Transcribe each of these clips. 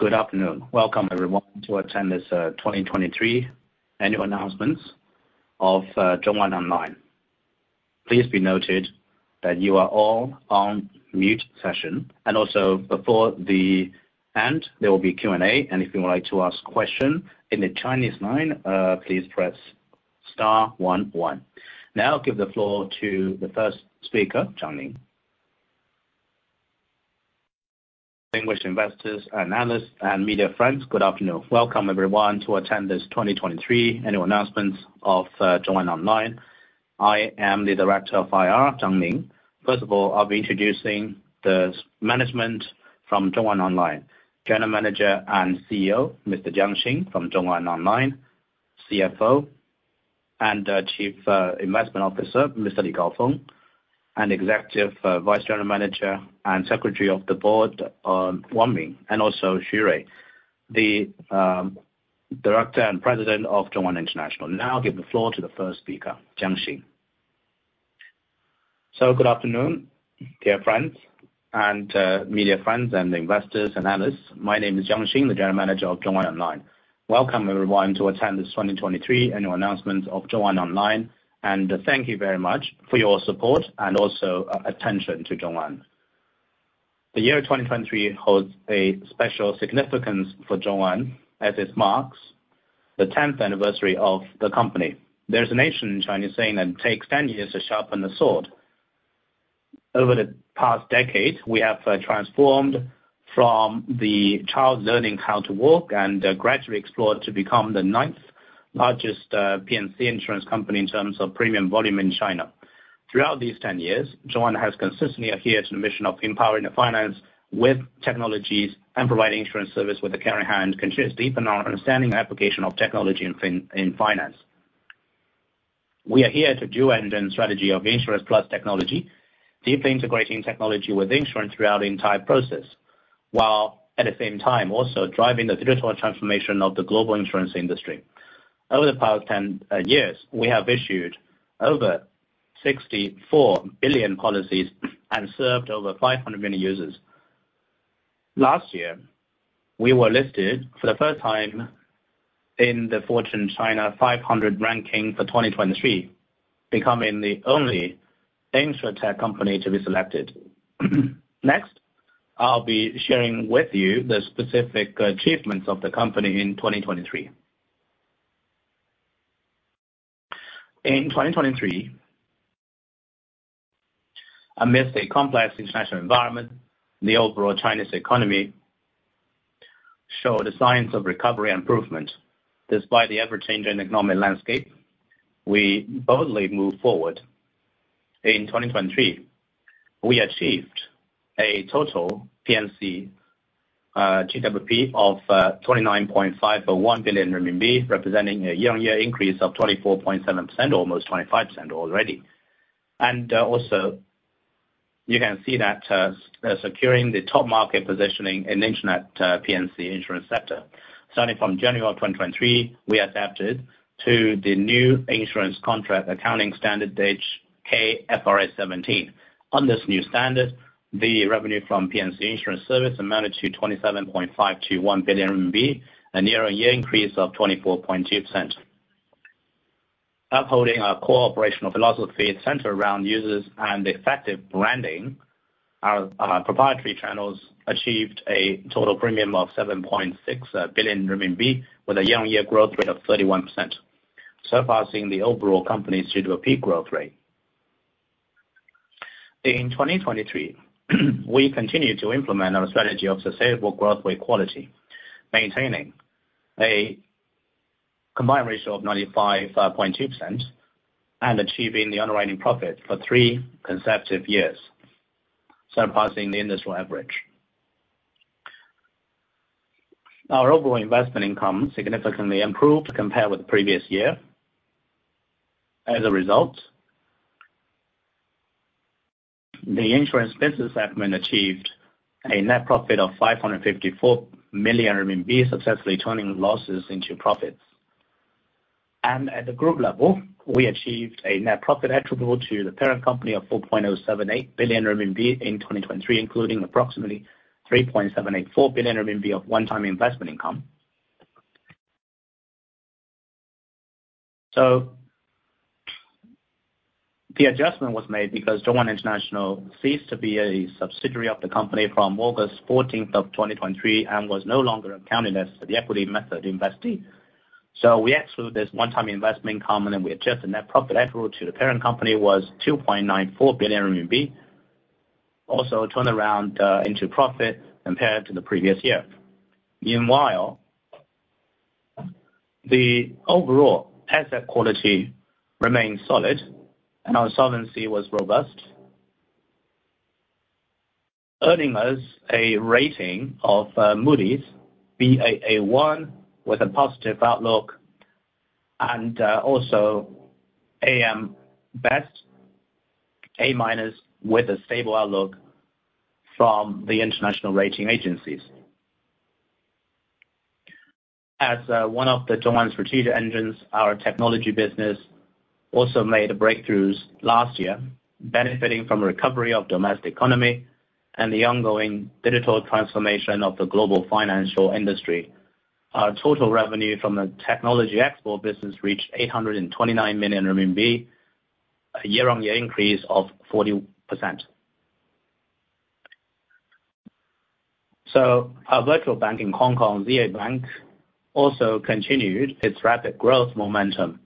Good afternoon. Welcome, everyone, to attend this 2023 annual announcements of ZhongAn Online. Please be noted that you are all on mute session. Before the end, there will be Q&A, and if you would like to ask question in the Chinese line, please press star one. Now I'll give the floor to the first speaker, Zhang Ning. Distinguished investors, analysts, and media friends, good afternoon. Welcome, everyone, to attend this 2023 annual announcements of ZhongAn Online. I am the Director of IR, Zhang Ning. First of all, I'll be introducing the management from ZhongAn Online. General Manager and CEO, Mr. Jiang Xing from ZhongAn Online, CFO and Chief Investment Officer, Mr. Gaofeng Li, and Executive Vice General Manager and Secretary of the Board, Wang Ming, and also Wayne Xu, the Director and President of ZhongAn International. Now I give the floor to the first speaker, Jiang Xing. Good afternoon, dear friends and media friends and investors analysts. My name is Jiang Xing, the General Manager of ZhongAn Online. Welcome, everyone, to attend this 2023 annual announcement of ZhongAn Online, and thank you very much for your support and also attention to ZhongAn. The year 2023 holds a special significance for ZhongAn as it marks the 10th anniversary of the company. There's a nation in China saying that takes 10 years to sharpen the sword. Over the past decade, we have transformed from the child learning how to walk and gradually explored to become the ninth largest P&C insurance company in terms of premium volume in China. Throughout these 10 years, ZhongAn has consistently adhered to the mission of empowering the finance with technologies and providing insurance service with the caring hand, continuous deepen our understanding and application of technology in finance. We adhere to dual engine strategy of insurance plus technology, deeply integrating technology with insurance throughout the entire process, while at the same time, also driving the digital transformation of the global insurance industry. Over the past 10 years, we have issued over 64 billion policies and served over 500 million users. Last year, we were listed for the first time in the Fortune China 500 ranking for 2023, becoming the only InsurTech company to be selected. Next, I'll be sharing with you the specific achievements of the company in 2023. In 2023, amidst a complex international environment, the overall Chinese economy show the signs of recovery and improvement. Despite the ever-changing economic landscape, we boldly move forward. In 2023, we achieved a total P&C GWP of 29.501 billion RMB, representing a year-on-year increase of 24.7%, almost 25% already. You can see that securing the top market positioning in internet P&C insurance sector. Starting from January of 2023, we adapted to the new insurance contract accounting standard HKFRS 17. On this new standard, the revenue from P&C insurance service amounted to 27.521 billion RMB, a year-on-year increase of 24.2%. Upholding our core operational philosophy centered around users and effective branding, our proprietary channels achieved a total premium of 7.6 billion RMB with a year-on-year growth rate of 31%, surpassing the overall company's GWP growth rate. In 2023, we continued to implement our strategy of sustainable growth with quality, maintaining a combined ratio of 95.2% and achieving the underwriting profit for three consecutive years, surpassing the industrial average. Our overall investment income significantly improved compared with the previous year. As a result, the insurance business segment achieved a net profit of 554 million RMB, successfully turning losses into profits. At the group level, we achieved a net profit attributable to the parent company of 4.078 billion RMB in 2023, including approximately 3.784 billion RMB of one-time investment income. The adjustment was made because ZhongAn International ceased to be a subsidiary of the company from August 14, 2023 and was no longer accounted as the equity method investee. We exclude this one-time investment income, and we adjust the net profit attributable to the parent company was 2.94 billion RMB. Also turned around into profit compared to the previous year. Meanwhile, the overall asset quality remained solid, and our solvency was robust, earning us a rating of Moody's Baa1 with a positive outlook and AM Best A- with a stable outlook from the international rating agencies. As one of the ZhongAn strategic engines, our technology business also made breakthroughs last year benefiting from recovery of domestic economy and the ongoing digital transformation of the global financial industry. Our total revenue from the technology export business reached 829 million RMB, a year-on-year increase of 40%. Our virtual bank in Hong Kong, ZA Bank, also continued its rapid growth momentum,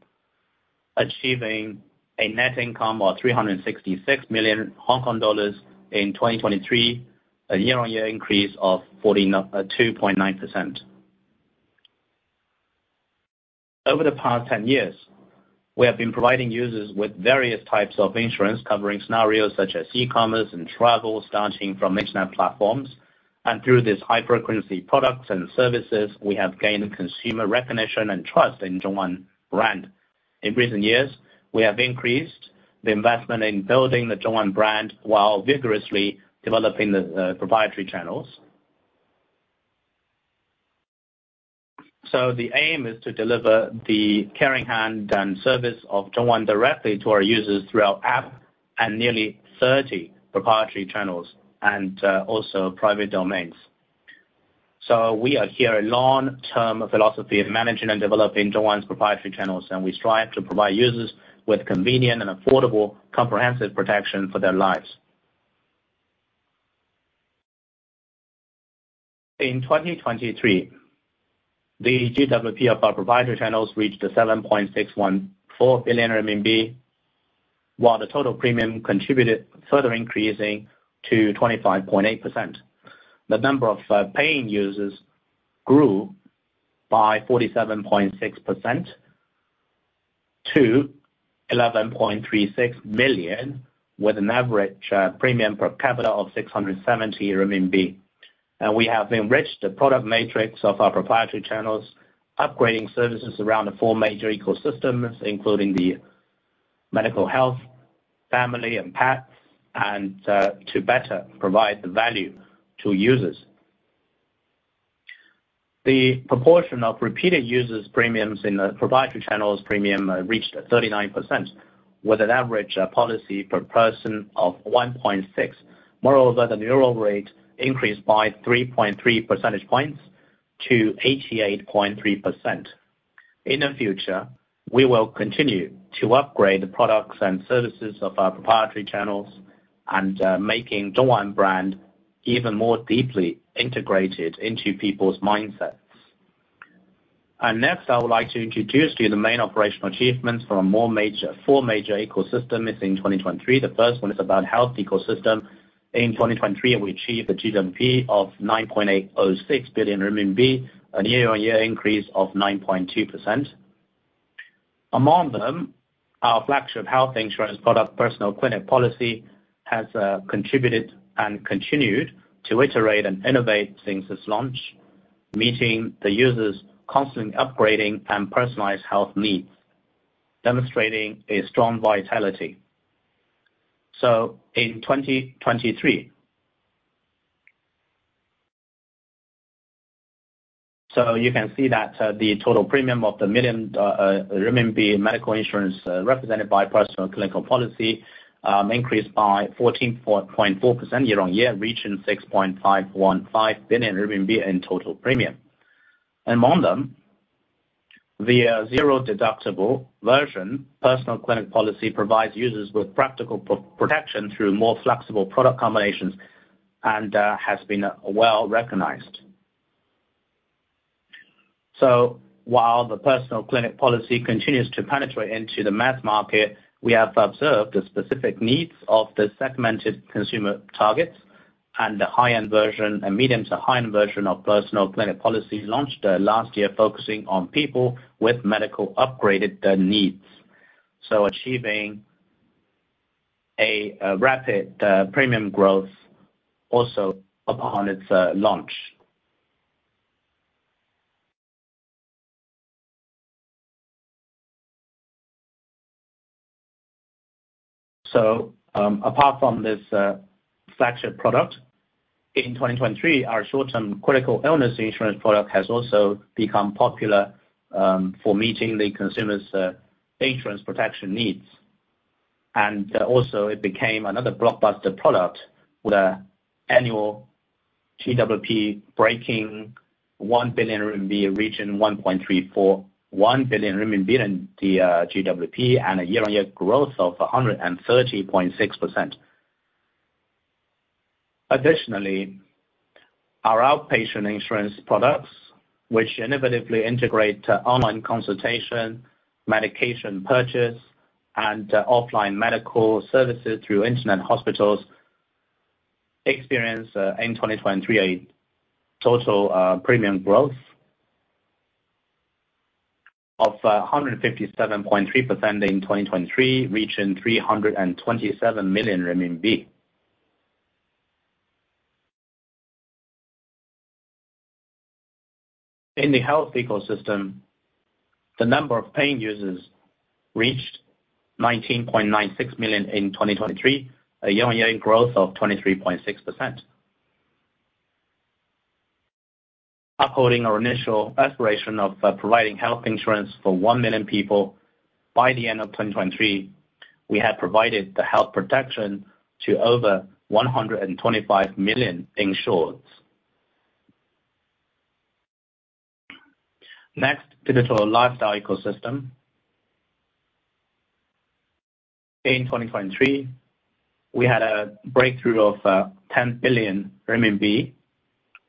achieving a net income of 366 million Hong Kong dollars in 2023, a year-on-year increase of 42.9%. Over the past 10 years, we have been providing users with various types of insurance covering scenarios such as e-commerce and travel, starting from internet platforms. Through this high-frequency products and services, we have gained consumer recognition and trust in ZhongAn brand. In recent years, we have increased the investment in building the ZhongAn brand while vigorously developing the proprietary channels. The aim is to deliver the caring hand and service of ZhongAn directly to our users through our app and nearly 30 proprietary channels and also private domains. We adhere a long-term philosophy of managing and developing ZhongAn's proprietary channels, and we strive to provide users with convenient and affordable, comprehensive protection for their lives. In 2023, the GWP of our proprietary channels reached 7.614 billion RMB, while the total premium contributed further increasing to 25.8%. The number of paying users grew by 47.6% to 11.36 million, with an average premium per capita of 670 RMB. We have enriched the product matrix of our proprietary channels, upgrading services around the four major ecosystems, including the medical health, family, and pet, and to better provide the value to users. The proportion of repeated users premiums in the proprietary channels premium reached 39%, with an average policy per person of 1.6. Moreover, the renewal rate increased by 3.3 percentage points to 88.3%. In the future, we will continue to upgrade the products and services of our proprietary channels and making ZhongAn brand even more deeply integrated into people's mindsets. Next, I would like to introduce to you the main operational achievements from four major ecosystems in 2023. The first one is about health ecosystem. In 2023, we achieved the GWP of 9.806 billion RMB, a year-on-year increase of 9.2%. Among them, our flagship health insurance product, Personal Clinic Policy, has contributed and continued to iterate and innovate since its launch, meeting the users' constantly upgrading and personalized health needs, demonstrating a strong vitality. In 2023. You can see that the total premium of the million RMB medical insurance represented by Personal Clinic Policy increased by 14.4% year-on-year, reaching 6.515 billion RMB in total premium. Among them, the zero deductible version Personal Clinic Policy provides users with practical protection through more flexible product combinations and has been well-recognized. While the Personal Clinic Policy continues to penetrate into the mass market, we have observed the specific needs of the segmented consumer targets and the medium to high-end version of Personal Clinic Policy launched last year focusing on people with medical upgraded needs. Achieving a rapid premium growth also upon its launch. Apart from this flagship product, in 2023, our short-term critical illness insurance product has also become popular for meeting the consumers' patrons protection needs. Also it became another blockbuster product with an annual GWP breaking 1 billion RMB, reaching 1.341 billion RMB in the GWP and a year-on-year growth of 130.6%. Additionally, our outpatient insurance products, which innovatively integrate online consultation, medication purchase, and offline medical services through internet hospitals, experienced a total premium growth of 157.3% in 2023, reaching CNY 327 million. In the health ecosystem, the number of paying users reached 19.96 million in 2023, a year-on-year growth of 23.6%. Upholding our initial aspiration of providing health insurance for 1 million people by the end of 2023, we have provided the health protection to over 125 million insureds. Next, Digital Lifestyle Ecosystem. In 2023, we had a breakthrough of 10 billion RMB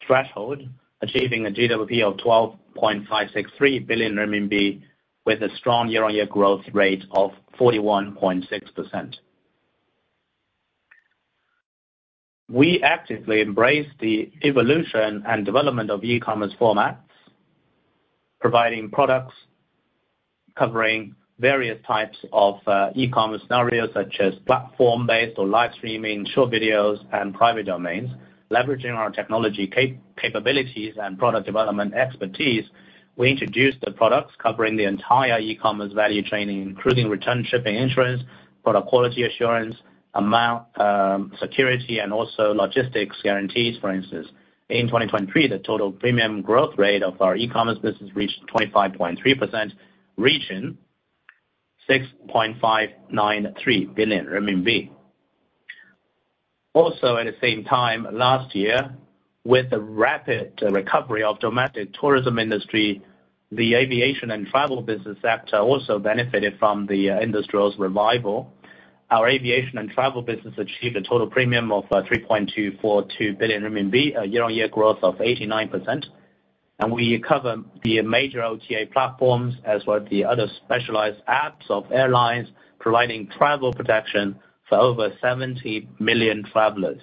threshold, achieving a GWP of 12.563 billion RMB, with a strong year-on-year growth rate of 41.6%. We actively embrace the evolution and development of e-commerce formats, providing products covering various types of e-commerce scenarios such as platform-based or live streaming, short videos, and private domains. Leveraging our technology capabilities and product development expertise, we introduced the products covering the entire e-commerce value chain, including return shipping insurance, product quality assurance, amount security, and also logistics guarantees, for instance. In 2023, the total premium growth rate of our e-commerce business reached 25.3%, reaching 6.593 billion RMB. At the same time last year, with the rapid recovery of domestic tourism industry, the aviation and travel business sector also benefited from the industry's revival. Our aviation and travel business achieved a total premium of 3.242 billion RMB, a year-on-year growth of 89%, and we cover the major OTA platforms as well as the other specialized apps of airlines providing travel protection for over 70 million travelers.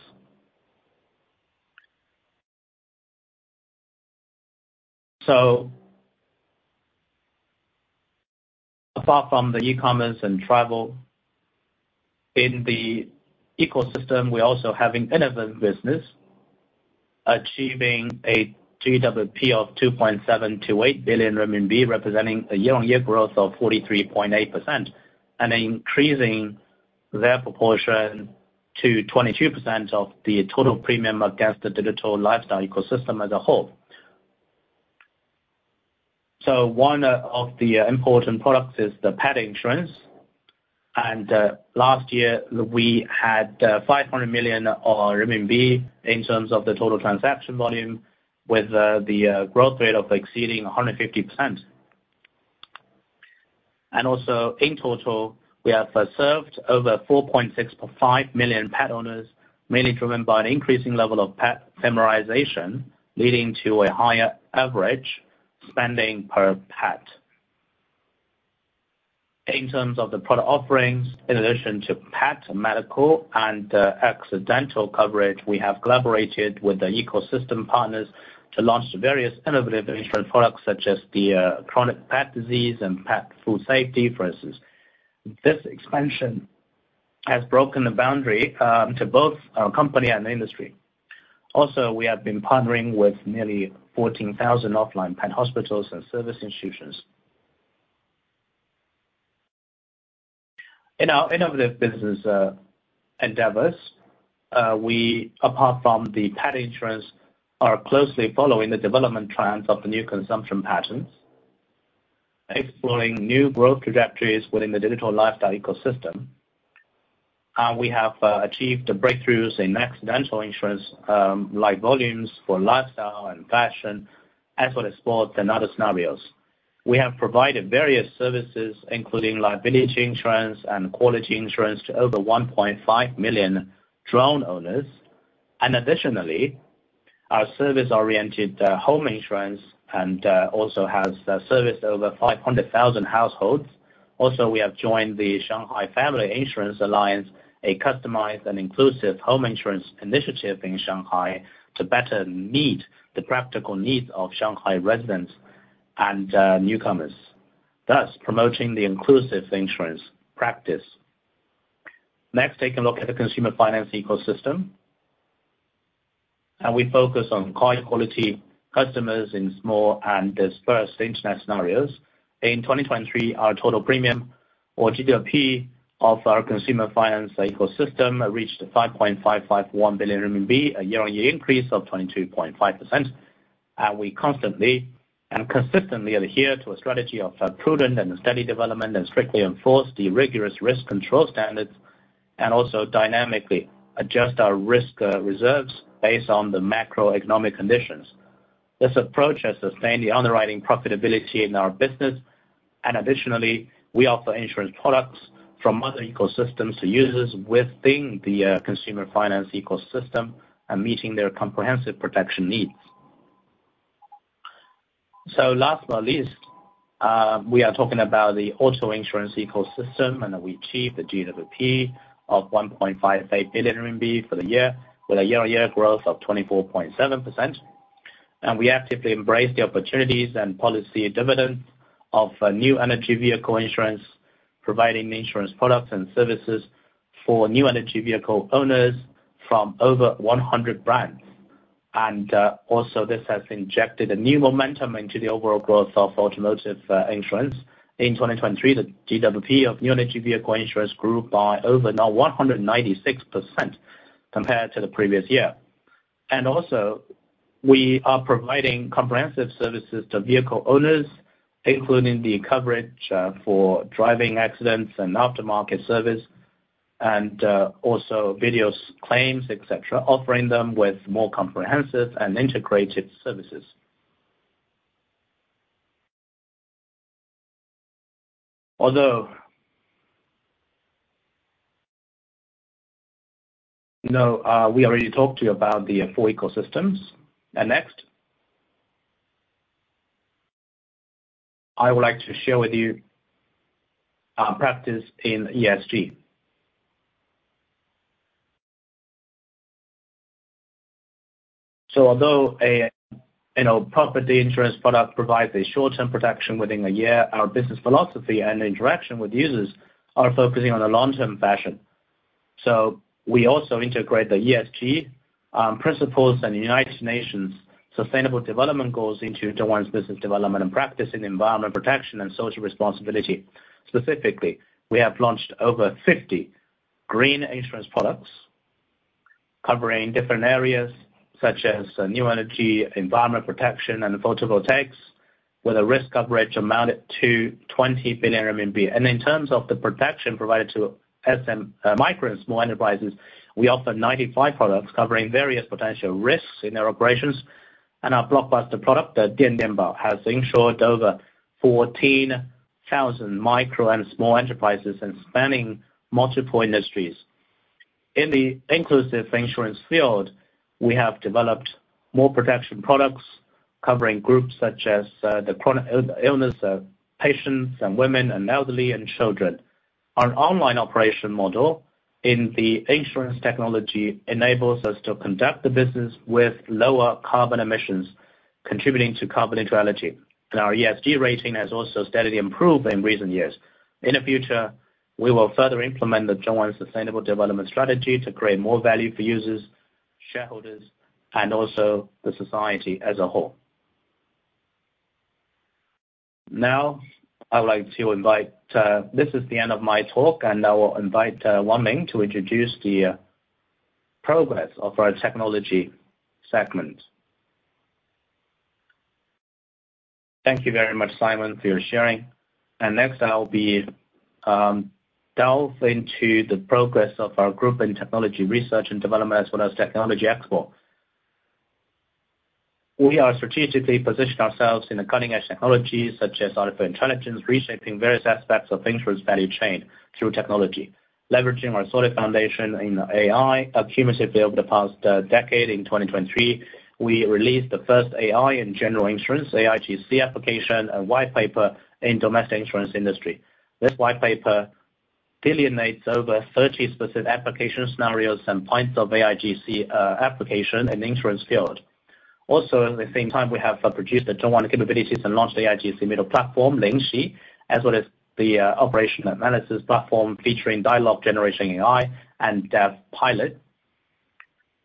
Apart from the e-commerce and travel, in the ecosystem, we also have innovative business achieving a GWP of 2.728 billion RMB, representing a year-on-year growth of 43.8%, and increasing their proportion to 22% of the total premium against the digital lifestyle ecosystem as a whole. One of the important products is the pet insurance, and last year we had 500 million in terms of the total transaction volume with the growth rate of exceeding 150%. In total, we have served over 4.65 million pet owners, mainly driven by an increasing level of pet familiarization, leading to a higher average spending per pet. In terms of the product offerings, in addition to pet medical and accidental coverage, we have collaborated with the ecosystem partners to launch various innovative insurance products such as the chronic pet disease and pet food safety, for instance. This expansion has broken the boundary to both our company and the industry. We have been partnering with nearly 14,000 offline pet hospitals and service institutions. In our innovative business endeavors, we, apart from the pet insurance, are closely following the development trends of the new consumption patterns, exploring new growth trajectories within the digital lifestyle ecosystem. We have achieved breakthroughs in accidental insurance like volumes for lifestyle and fashion, as well as sports and other scenarios. We have provided various services, including liability insurance and quality insurance to over 1.5 million drone owners. Additionally, our service oriented home insurance has serviced over 500,000 households. We have joined the Shanghai Family Insurance Alliance, a customized and inclusive home insurance initiative in Shanghai to better meet the practical needs of Shanghai residents and newcomers, thus promoting the inclusive insurance practice. Next, take a look at the consumer finance ecosystem. We focus on high quality customers in small and dispersed internet scenarios. In 2023, our total premium or GWP of our consumer finance ecosystem reached 5.551 billion RMB, a year-on-year increase of 22.5%. We constantly and consistently adhere to a strategy of prudent and steady development and strictly enforce the rigorous risk control standards, and also dynamically adjust our risk reserves based on the macroeconomic conditions. This approach has sustained the underwriting profitability in our business. Additionally, we offer insurance products from other ecosystems to users within the consumer finance ecosystem and meeting their comprehensive protection needs. Last but not least, we are talking about the auto insurance ecosystem. We achieved the GWP of 1.58 billion RMB for the year with a year-on-year growth of 24.7%. We actively embrace the opportunities and policy dividends of new energy vehicle insurance, providing insurance products and services for new energy vehicle owners from over 100 brands. This has injected a new momentum into the overall growth of automotive insurance. In 2023, the GWP of new energy vehicle insurance grew by over 196% compared to the previous year. We are providing comprehensive services to vehicle owners, including the coverage for driving accidents and aftermarket service, and also videos, claims, et cetera, offering them with more comprehensive and integrated services. We already talked to you about the four ecosystems. Next, I would like to share with you our practice in ESG. Although a property insurance product provides a short-term protection within a year, our business philosophy and interaction with users are focusing on a long-term fashion. We also integrate the ESG principles and the United Nations Sustainable Development Goals into ZhongAn's business development and practice in environmental protection and social responsibility. Specifically, we have launched over 50 green insurance products covering different areas such as new energy, environment protection, and photovoltaics, with a risk coverage amounted to 20 billion RMB. In terms of the protection provided to micro and small enterprises, we offer 95 products covering various potential risks in their operations. Our blockbuster product, the Dian Dian Bao, has insured over 14,000 micro and small enterprises and spanning multiple industries. In the inclusive insurance field, we have developed more protection products covering groups such as the chronic illness patients and women and elderly and children. Our online operation model in the InsurTech enables us to conduct the business with lower carbon emissions, contributing to carbon neutrality. Our ESG rating has also steadily improved in recent years. In the future, we will further implement the ZhongAn sustainable development strategy to create more value for users, shareholders, and also the society as a whole. This is the end of my talk, and I will invite Wang Ming to introduce the progress of our technology segment. Thank you very much, Jiang Xing, for your sharing. Next, I'll be delve into the progress of our group in technology research and development as well as technology export. We are strategically position ourselves in the cutting-edge technologies such as artificial intelligence, reshaping various aspects of insurance value chain through technology, leveraging our solid foundation in AI, accumulatively over the past decade. In 2023, we released the first AI in general insurance AIGC application and white paper in domestic insurance industry. This white paper delineates over 30 specific application scenarios and points of AIGC application in the insurance field. Also, in the same time, we have produced the ZhongAn capabilities and launched the AIGC middle platform, Lingxi, as well as the operation analysis platform featuring dialogue generation AI and dev pilot,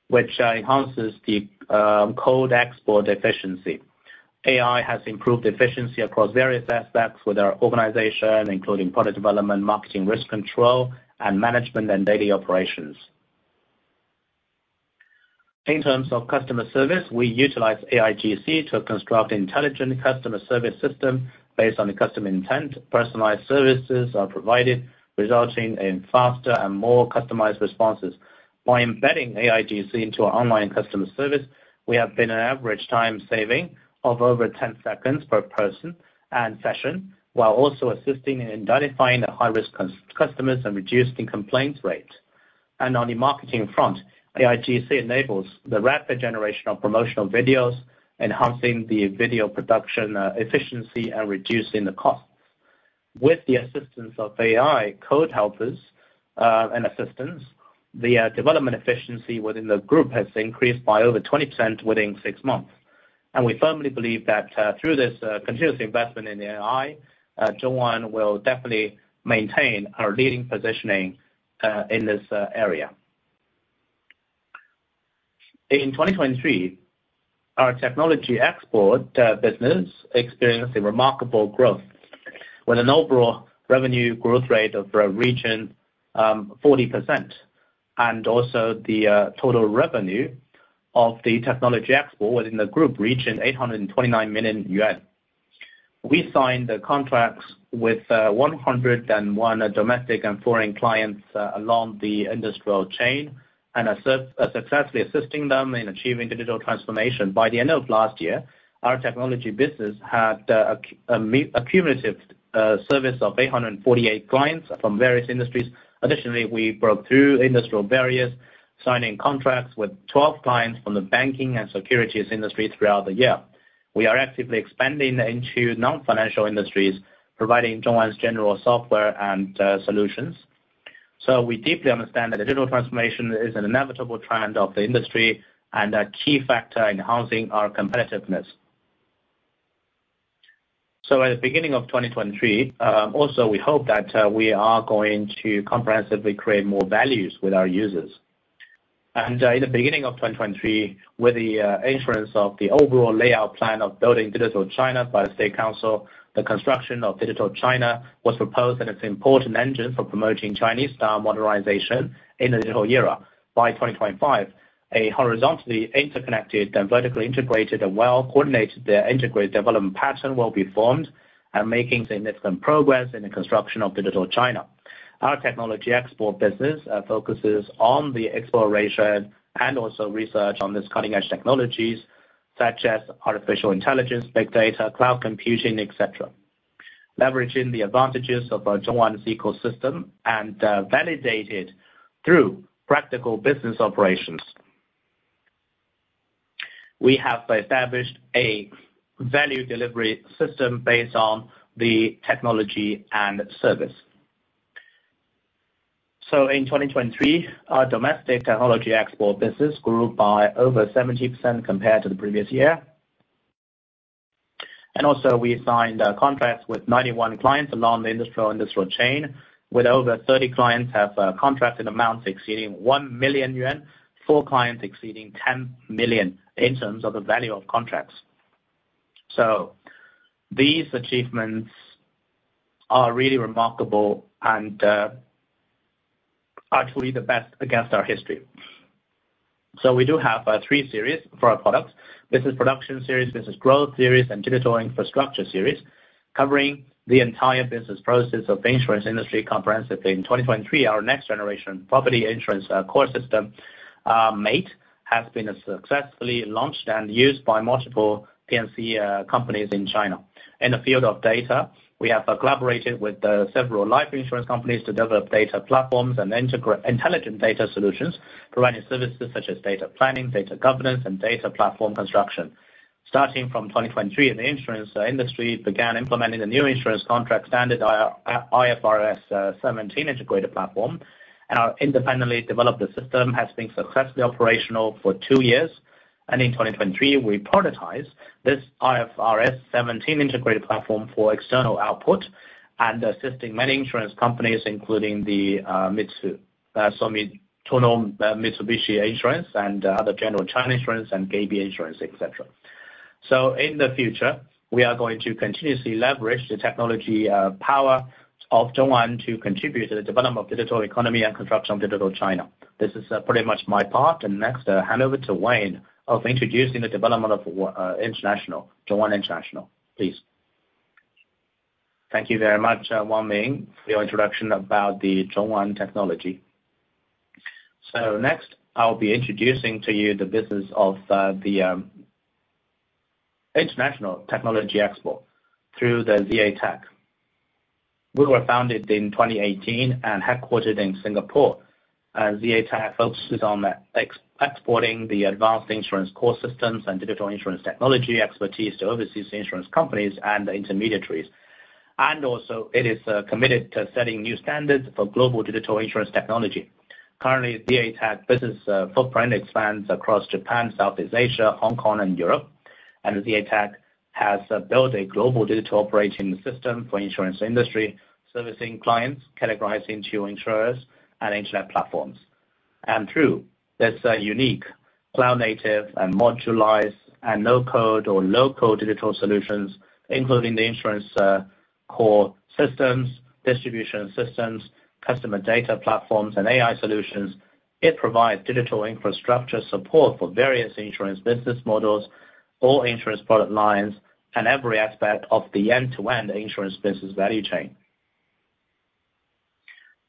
which enhances the code export efficiency. AI has improved efficiency across various aspects with our organization, including product development, marketing, risk control and management, and daily operations. In terms of customer service, we utilize AIGC to construct intelligent customer service system based on the customer intent. Personalized services are provided, resulting in faster and more customized responses. By embedding AIGC into our online customer service, we have been an average time saving of over 10 seconds per person and session, while also assisting in identifying the high-risk customers and reducing complaints rates. On the marketing front, AIGC enables the rapid generation of promotional videos, enhancing the video production efficiency and reducing the costs. With the assistance of AI code helpers and assistance, the development efficiency within the group has increased by over 20% within six months. We firmly believe that through this continuous investment in AI, ZhongAn will definitely maintain our leading positioning in this area. In 2023, our technology export business experienced a remarkable growth with an overall revenue growth rate of around 40%, and also the total revenue of the technology export within the group reached 829 million yuan. We signed the contracts with 101 domestic and foreign clients along the industrial chain and are successfully assisting them in achieving digital transformation. By the end of last year, our technology business had a cumulative service of 848 clients from various industries. Additionally, we broke through industrial barriers, signing contracts with 12 clients from the banking and securities industry throughout the year. We are actively expanding into non-financial industries, providing ZhongAn's general software and solutions. We deeply understand that the digital transformation is an inevitable trend of the industry and a key factor in honing our competitiveness. At the beginning of 2023, we hope that we are going to comprehensively create more values with our users. In the beginning of 2023, with the issuance of the overall layout plan of building Digital China by the State Council, the construction of Digital China was proposed, and it is an important engine for promoting Chinese style modernization in the digital era. By 2025, a horizontally interconnected and vertically integrated and well-coordinated integrated development pattern will be formed, making significant progress in the construction of Digital China. Our technology export business focuses on the exploration and research on cutting-edge technologies such as artificial intelligence, big data, cloud computing, etc. Leveraging the advantages of ZhongAn's ecosystem and validated through practical business operations. We have established a value delivery system based on the technology and service. In 2023, our domestic technology export business grew by over 70% compared to the previous year. We signed contracts with 91 clients along the industrial chain, with over 30 clients have contract in amounts exceeding 1 million yuan. Four clients exceeding 10 million in terms of the value of contracts. These achievements are really remarkable and actually the best against our history. We do have three series for our products: Business production series, business growth series, and digital infrastructure series, covering the entire business process of the insurance industry comprehensively. In 2023, our next generation property insurance core system, MATE, has been successfully launched and used by multiple P&C companies in China. In the field of data, we have collaborated with several life insurance companies to develop data platforms and intelligent data solutions, providing services such as data planning, data governance, and data platform construction. Starting from 2023, the insurance industry began implementing the new insurance contract standard, IFRS 17 integrated platform, and our independently developed system has been successfully operational for two years. In 2023, we productized this IFRS 17 integrated platform for external output and assisting many insurance companies, including Mitsui Sumitomo Insurance, Generali China Insurance, and Global Benefits Group, etc. In the future, we are going to continuously leverage the technology power of ZhongAn to contribute to the development of digital economy and construction of Digital China. This is pretty much my part. Next, hand over to Wayne of introducing the development of ZhongAn International, please. Thank you very much, Wang Ming, for your introduction about the ZhongAn technology. Next, I will be introducing to you the business of the international technology export through ZA Tech. We were founded in 2018 and headquartered in Singapore. ZA Tech focuses on exporting the advanced insurance core systems and digital insurance technology expertise to overseas insurance companies and intermediaries. It is committed to setting new standards for global digital insurance technology. Currently, ZA Tech business footprint expands across Japan, Southeast Asia, Hong Kong and Europe. ZA Tech has built a global digital operating system for insurance industry servicing clients categorized into insurers and internet platforms. Through this unique cloud native and modulized and no-code or low-code digital solutions, including the insurance core systems, distribution systems, customer data platforms, and AI solutions, it provides digital infrastructure support for various insurance business models or insurance product lines and every aspect of the end-to-end insurance business value chain.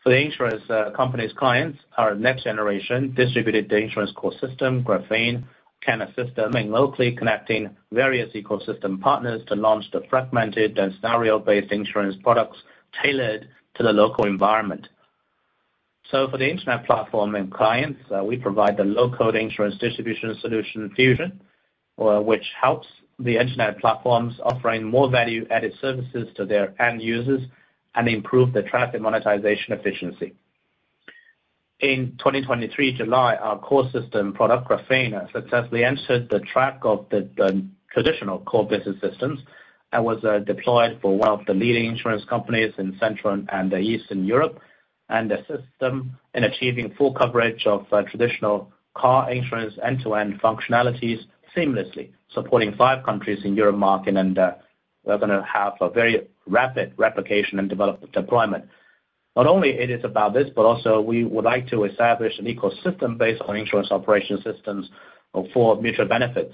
For the insurance company's clients, our next generation distributed insurance core system, Graphene, can assist them in locally connecting various ecosystem partners to launch the fragmented and scenario-based insurance products tailored to the local environment. For the internet platform and clients, we provide the low-code insurance distribution solution, Fusion, which helps the internet platforms offering more value added services to their end users and improve the traffic monetization efficiency. In 2023 July, our core system product, Graphene, successfully entered the track of the traditional core business systems and was deployed for one of the leading insurance companies in Central and Eastern Europe. The system in achieving full coverage of traditional car insurance end-to-end functionalities seamlessly supporting five countries in Europe market. We're going to have a very rapid replication and development deployment. Not only it is about this, but also we would like to establish an ecosystem based on insurance operation systems for mutual benefits.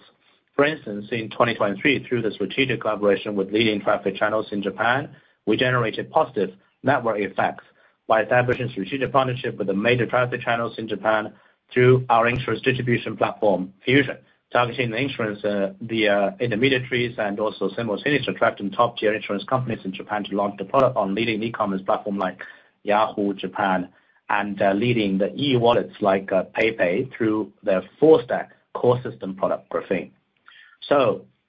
For instance, in 2023, through the strategic collaboration with leading traffic channels in Japan, we generated positive network effects by establishing strategic partnership with the major traffic channels in Japan through our insurance distribution platform, Fusion, targeting the insurance, the intermediaries, and also similar strategic attracting top-tier insurance companies in Japan to launch the product on leading e-commerce platform like Yahoo! Japan. Leading the e-wallets like Alipay through their full stack core system product, Graphene.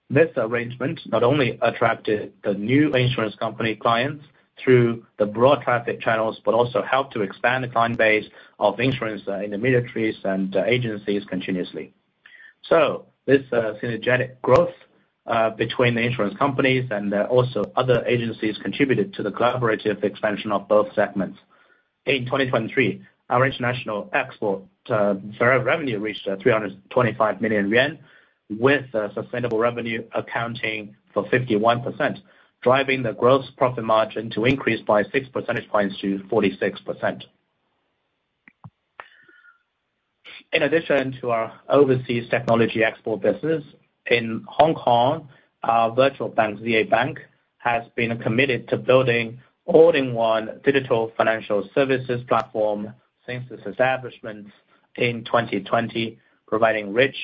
This arrangement not only attracted the new insurance company clients through the broad traffic channels, but also helped to expand the client base of insurance intermediaries and agencies continuously. This synergetic growth between the insurance companies and also other agencies contributed to the collaborative expansion of both segments. In 2023, our international export revenue reached 325 million yuan, with sustainable revenue accounting for 51%, driving the gross profit margin to increase by 6 percentage points to 46%. In addition to our overseas technology export business, in Hong Kong, our virtual bank, ZA Bank, has been committed to building all-in-one digital financial services platform since its establishment in 2020, providing rich,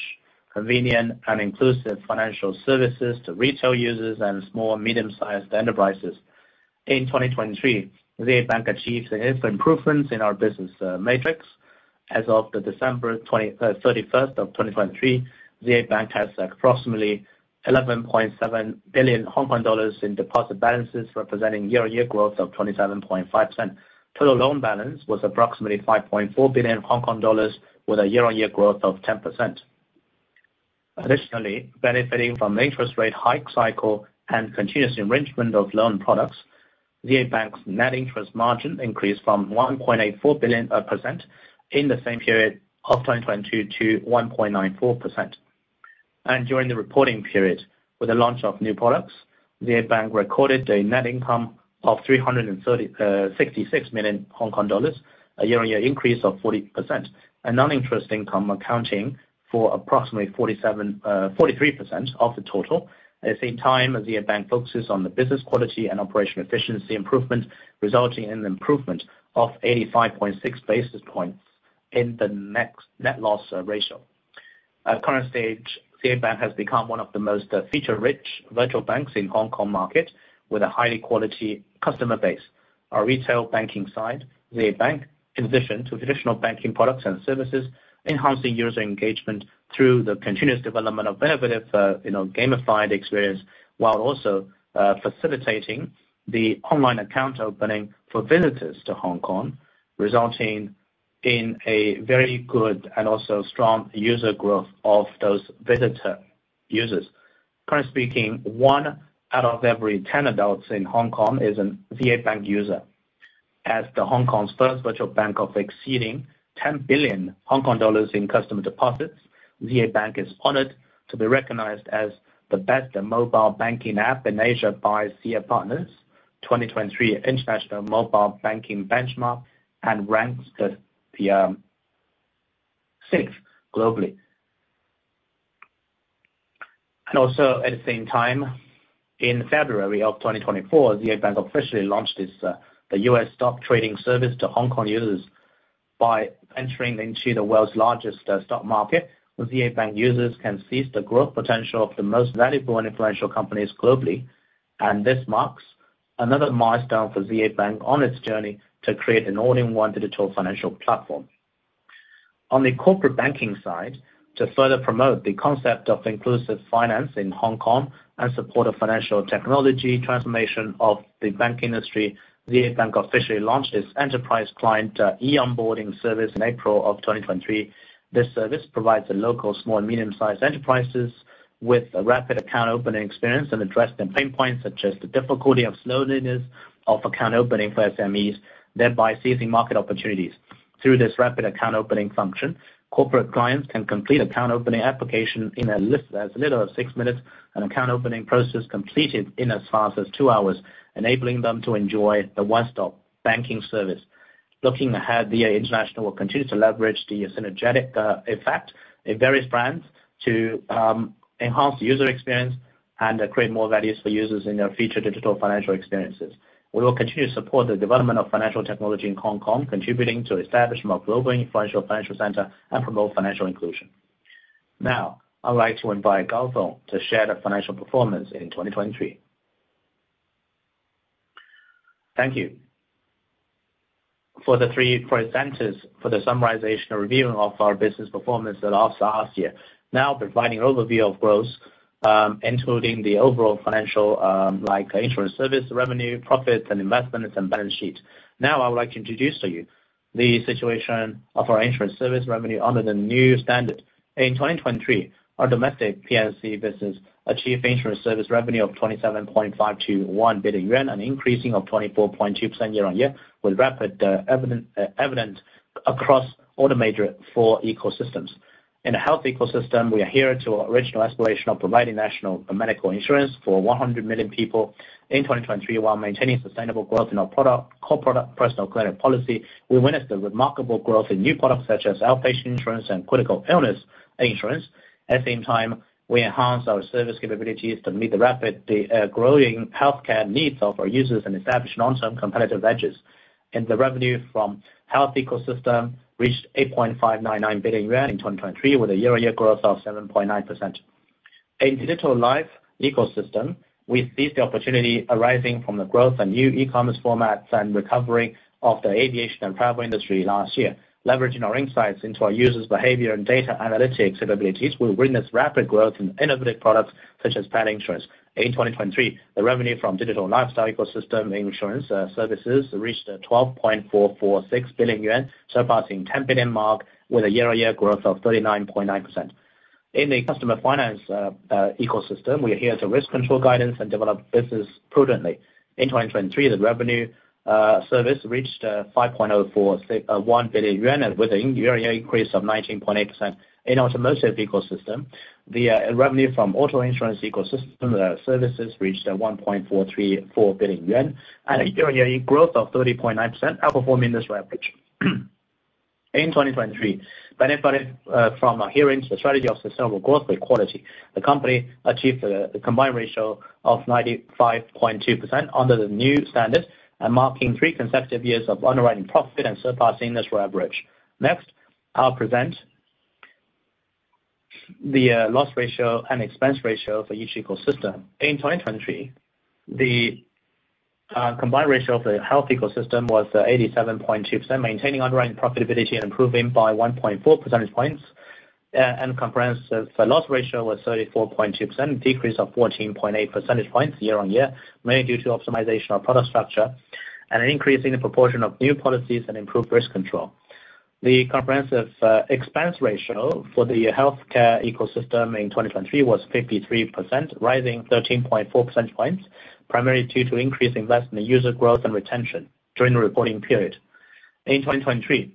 convenient, and inclusive financial services to retail users and small medium-sized enterprises. In 2023, ZA Bank achieved significant improvements in our business matrix. As of the December 31st of 2023, ZA Bank has approximately 11.7 billion Hong Kong dollars in deposit balances, representing year-on-year growth of 27.5%. Total loan balance was approximately 5.4 billion Hong Kong dollars, with a year-on-year growth of 10%. Additionally, benefiting from interest rate hike cycle and continuous enrichment of loan products, ZA Bank's net interest margin increased from 1.84% in the same period of 2022 to 1.94%. During the reporting period, with the launch of new products, ZA Bank recorded a net income of 366 million Hong Kong dollars, a year-on-year increase of 40%, a non-interest income accounting for approximately 43% of the total. At the same time, ZA Bank focuses on the business quality and operational efficiency improvement, resulting in an improvement of 85.6 basis points in the net loss ratio. At current stage, ZA Bank has become one of the most feature-rich virtual banks in Hong Kong market with a high-quality customer base. Our retail banking side, ZA Bank, in addition to traditional banking products and services, enhancing user engagement through the continuous development of innovative gamified experience, while also facilitating the online account opening for visitors to Hong Kong, resulting in a very good and also strong user growth of those visitor users. Currently speaking, one out of every 10 adults in Hong Kong is a ZA Bank user. As the Hong Kong's first virtual bank of exceeding 10 billion Hong Kong dollars in customer deposits, ZA Bank is honored to be recognized as the best mobile banking app in Asia by Sia Partners 2023 International Mobile Banking Benchmark and ranks the sixth globally. Also at the same time, in February 2024, ZA Bank officially launched the U.S. stock trading service to Hong Kong users. By entering into the world's largest stock market, ZA Bank users can seize the growth potential of the most valuable and influential companies globally. This marks another milestone for ZA Bank on its journey to create an all-in-one digital financial platform. On the corporate banking side, to further promote the concept of inclusive finance in Hong Kong and support the financial technology transformation of the bank industry, ZA Bank officially launched its enterprise client e-onboarding service in April 2023. This service provides local small and medium-sized enterprises with a rapid account opening experience and address the pain points such as the difficulty of slowness of account opening for SMEs, thereby seizing market opportunities. Through this rapid account opening function, corporate clients can complete account opening application in as little as six minutes, and account opening process completed in as fast as two hours, enabling them to enjoy the one-stop banking service. Looking ahead, ZhongAn International will continue to leverage the synergistic effect in various brands to enhance user experience and create more values for users in their future digital financial experiences. We will continue to support the development of financial technology in Hong Kong, contributing to establishment of global influential financial center and promote financial inclusion. Now, I'd like to invite Gaofeng to share the financial performance in 2023. Thank you. For the three presenters for the summarization and reviewing of our business performance at last year. Now providing overview of growth, including the overall financial, like insurance service revenue, profits, and investments, and balance sheet. I would like to introduce to you the situation of our insurance service revenue under the new standard. In 2023, our domestic P&C business achieved insurance service revenue of 27.521 billion yuan, an increasing of 24.2% year-on-year with rapid evidence across all the major four ecosystems. In the health ecosystem, we adhere to our original exploration of providing national medical insurance for 100 million people in 2023 while maintaining sustainable growth in our core product Personal Clinic Policy. We witnessed the remarkable growth in new products such as outpatient insurance and critical illness insurance. At the same time, we enhanced our service capabilities to meet the rapidly growing healthcare needs of our users and establish long-term competitive edges. The revenue from health ecosystem reached 8.599 billion yuan in 2023, with a year-on-year growth of 7.9%. In digital life ecosystem, we seized the opportunity arising from the growth of new e-commerce formats and recovery of the aviation and travel industry last year. Leveraging our insights into our users' behavior and data analytics capabilities, we witnessed rapid growth in innovative products such as travel insurance. In 2023, the revenue from digital lifestyle ecosystem insurance services reached 12.446 billion yuan, surpassing 10 billion mark with a year-on-year growth of 39.9%. In the customer finance ecosystem, we adhere to risk control guidance and develop business prudently. In 2023, the revenue service reached 5.041 billion yuan, with a year-on-year increase of 19.8%. In automotive ecosystem, the revenue from auto insurance ecosystem services reached 1.434 billion yuan, and a year-on-year growth of 30.9%, outperforming the industry average. In 2023, benefiting from adhering to the strategy of sustainable growth with quality, the company achieved a combined ratio of 95.2% under the new standard, marking three consecutive years of underwriting profit and surpassing the industry average. Next, I'll present the loss ratio and expense ratio for each ecosystem. In 2023, the combined ratio of the health ecosystem was 87.2%, maintaining underwriting profitability and improving by 1.4 percentage points. Comprehensive loss ratio was 34.2%, decrease of 14.8 percentage points year-on-year, mainly due to optimization of product structure and an increase in the proportion of new policies and improved risk control. The comprehensive expense ratio for the healthcare ecosystem in 2023 was 53%, rising 13.4 percentage points, primarily due to increased investment user growth and retention during the reporting period. In 2023,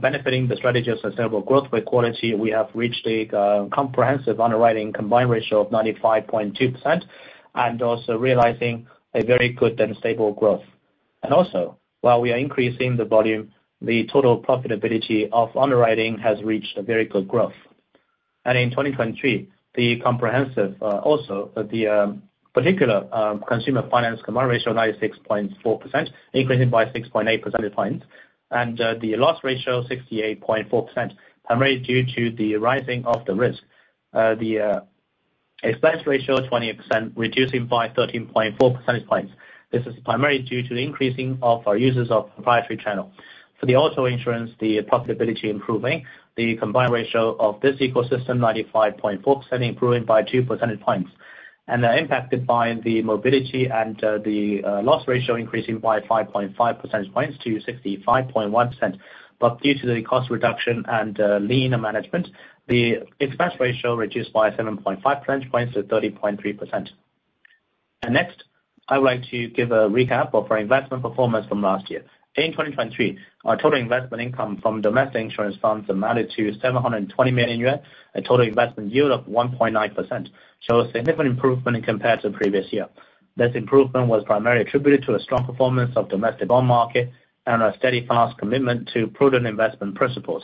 benefiting the strategy of sustainable growth with quality, we have reached a comprehensive underwriting combined ratio of 95.2%, also realizing a very good and stable growth. While we are increasing the volume, the total profitability of underwriting has reached a very good growth. In 2023, also the particular consumer finance combined ratio of 96.4%, increasing by 6.8 percentage points. The loss ratio 68.4%, primarily due to the rising of the risk. The expense ratio 20%, reducing by 13.4 percentage points. This is primarily due to the increasing of our users of proprietary channel. For the auto insurance, the profitability improving, the combined ratio of this ecosystem 95.4%, improving by two percentage points. Impacted by the mobility and the loss ratio increasing by 5.5 percentage points to 65.1%, due to the cost reduction and lean management, the expense ratio reduced by 7.5 percentage points to 30.3%. Next, I would like to give a recap of our investment performance from last year. In 2023, our total investment income from domestic insurance funds amounted to 720 million yuan, a total investment yield of 1.9%, shows significant improvement compared to previous year. This improvement was primarily attributed to the strong performance of domestic bond market and our steady fast commitment to prudent investment principles.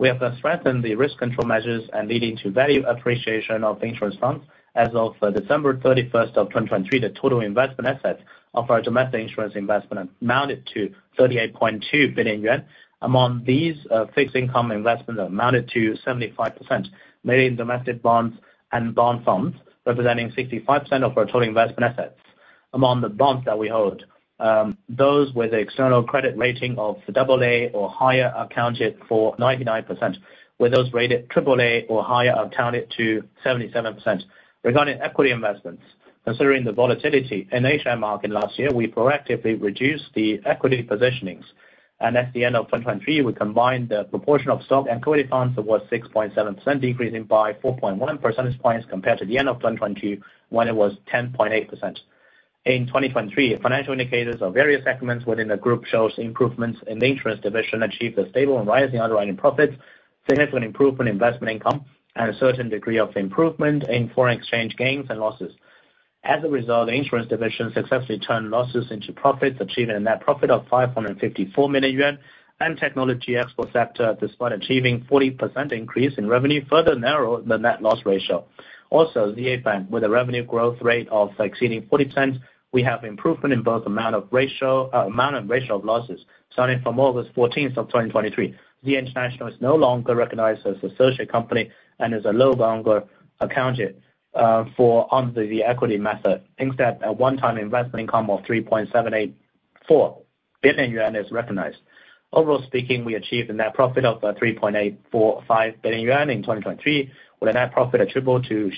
We have strengthened the risk control measures and leading to value appreciation of insurance funds. As of December 31st of 2023, the total investment assets of our domestic insurance investment amounted to 38.2 billion yuan. Among these, fixed income investments amounted to 75%, mainly in domestic bonds and bond funds, representing 65% of our total investment assets. Among the bonds that we hold, those with external credit rating of AA or higher accounted for 99%, with those rated AAA or higher accounted to 77%. Regarding equity investments, considering the volatility in A-share market last year, we proactively reduced the equity positionings. At the end of 2023, we combined the proportion of stock and equity funds was 6.7%, decreasing by 4.1 percentage points compared to the end of 2022, when it was 10.8%. In 2023, financial indicators of various segments within the group shows improvements in the insurance division achieved a stable and rising underwriting profit, significant improvement in investment income, and a certain degree of improvement in foreign exchange gains and losses. As a result, the insurance division successfully turned losses into profits, achieving a net profit of 554 million yuan. Technology exports sector, despite achieving 40% increase in revenue, further narrowed the net loss ratio. Also, ZA Bank, with a revenue growth rate of exceeding 40%, we have improvement in both amount and ratio of losses. Starting from August 14, 2023, ZhongAn International is no longer recognized as associate company and is no longer accounted for under the equity method, instead, a one-time investment income of 3.784 billion yuan is recognized. Overall speaking, we achieved a net profit of 3.845 billion yuan in 2023, with a net profit attributable to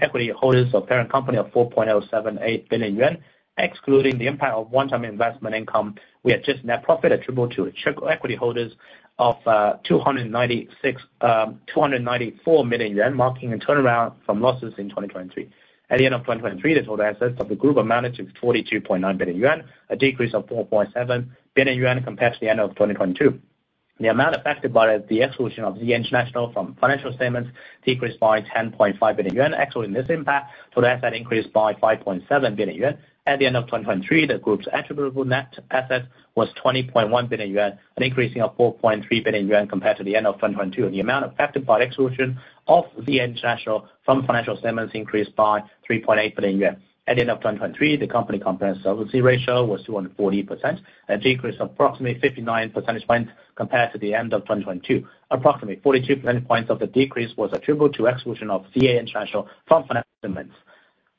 equity holders of parent company of 4.078 billion yuan. Excluding the impact of one-time investment income, we had just net profit attributable to equity holders of 294 million yuan, marking a turnaround from losses in 2023. At the end of 2023, the total assets of the group amounted to 42.9 billion yuan, a decrease of 4.7 billion yuan compared to the end of 2022. The amount affected by the exclusion of ZhongAn International from financial statements decreased by 10.5 billion yuan. Excluding this impact, total asset increased by 5.7 billion yuan. At the end of 2023, the group's attributable net assets was 20.1 billion yuan, an increase of 4.3 billion yuan compared to the end of 2022, and the amount affected by exclusion of ZhongAn International from financial statements increased by 3.8 billion yuan. At the end of 2023, the company comprehensive solvency ratio was 240%, a decrease of approximately 59 percentage points compared to the end of 2022. Approximately 42 percentage points of the decrease was attributable to exclusion of ZhongAn International from financial statements.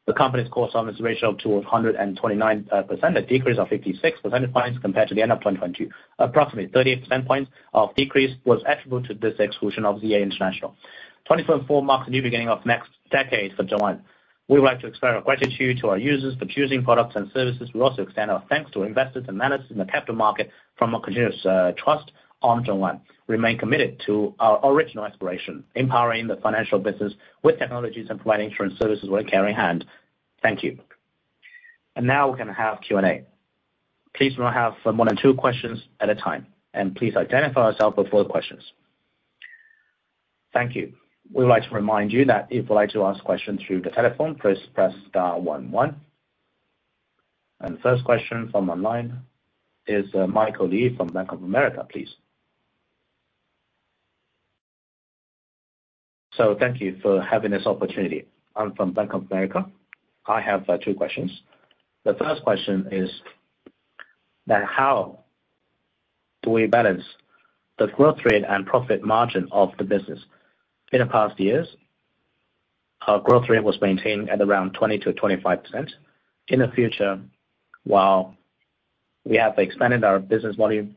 The company's core solvency ratio of 129%, a decrease of 56 percentage points compared to the end of 2022. Approximately 38 percentage points of decrease was attributable to this exclusion of ZhongAn International. 2024 marks a new beginning of next decade for ZhongAn. We would like to express our gratitude to our users for choosing products and services. We also extend our thanks to investors and managers in the capital market for continuous trust on ZhongAn. Remain committed to our original aspiration, empowering the financial business with technologies and providing insurance services with care in hand. Thank you. Now we're going to have Q&A. Please may I have more than two questions at a time, and please identify yourself before the questions. Thank you. We would like to remind you that if you would like to ask questions through the telephone, please press star one one. First question from online is Michael Lee from Bank of America, please. Thank you for having this opportunity. I'm from Bank of America. I have 2 questions. The first question is how do we balance the growth rate and profit margin of the business? In the past years, our growth rate was maintained at around 20%-25%. In the future, while we have expanded our business volume,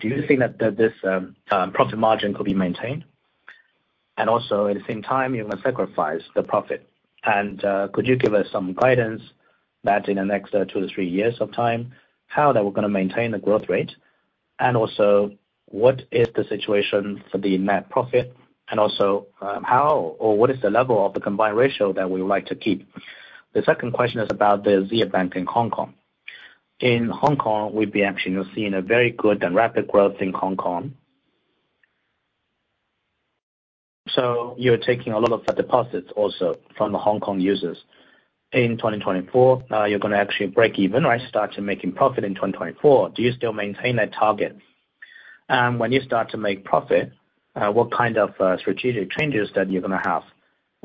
do you think this profit margin could be maintained? At the same time, you're going to sacrifice the profit. Could you give us some guidance in the next 2-3 years of time, how we're going to maintain the growth rate? What is the situation for the net profit? How or what is the level of the combined ratio we would like to keep? The second question is about the ZA Bank in Hong Kong. In Hong Kong, we've been actually seeing a very good and rapid growth in Hong Kong. You're taking a lot of deposits also from the Hong Kong users. In 2024, you're going to actually break even or start making profit in 2024. Do you still maintain that target? When you start to make profit, what kind of strategic changes you're going to have?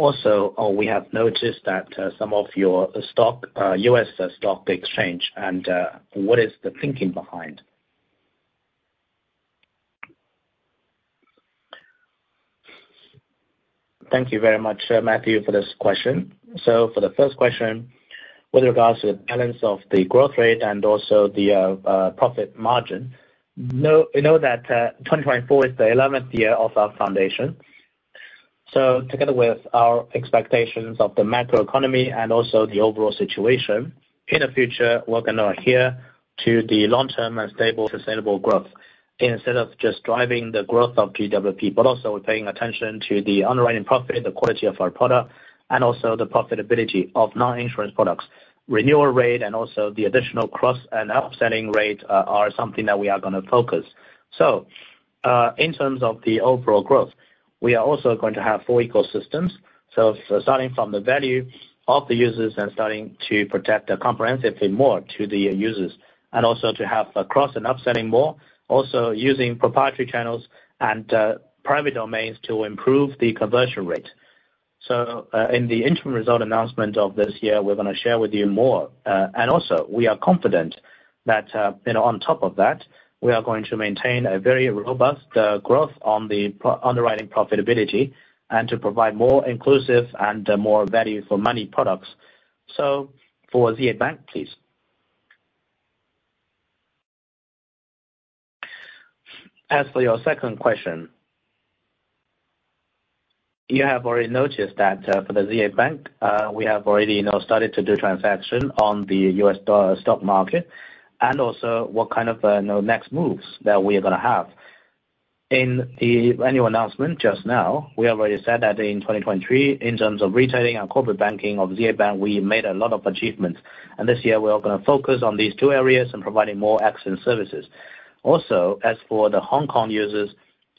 Also, we have noticed some of your stock, U.S. stock exchange, what is the thinking behind? Thank you very much Michael for this question. For the first question, with regards to the balance of the growth rate and the profit margin, know 2024 is the 11th year of our foundation. Together with our expectations of the macroeconomy and the overall situation, in the future, we're going to adhere to the long-term and stable sustainable growth instead of just driving the growth of GWP, but paying attention to the underwriting profit, the quality of our product, and the profitability of non-insurance products. Renewal rate and the additional cross and upselling rate are something we are going to focus. In terms of the overall growth, we are going to have 4 ecosystems. Starting from the value of the users and starting to protect comprehensively more to the users, to have a cross and upselling more, using proprietary channels and private domains to improve the conversion rate. In the interim result announcement of this year, we're going to share with you more. We are confident, on top of that, we are going to maintain a very robust growth on the underwriting profitability and to provide more inclusive and more value-for-money products. For ZA Bank, please. As for your second question, you have already noticed for the ZA Bank, we have already started to do transaction on the U.S. stock market, what kind of next moves we are going to have. In the annual announcement just now, we already said in 2023, in terms of retailing and corporate banking of ZA Bank, we made a lot of achievements. This year we are going to focus on these 2 areas and providing more excellent services. Also, as for the Hong Kong users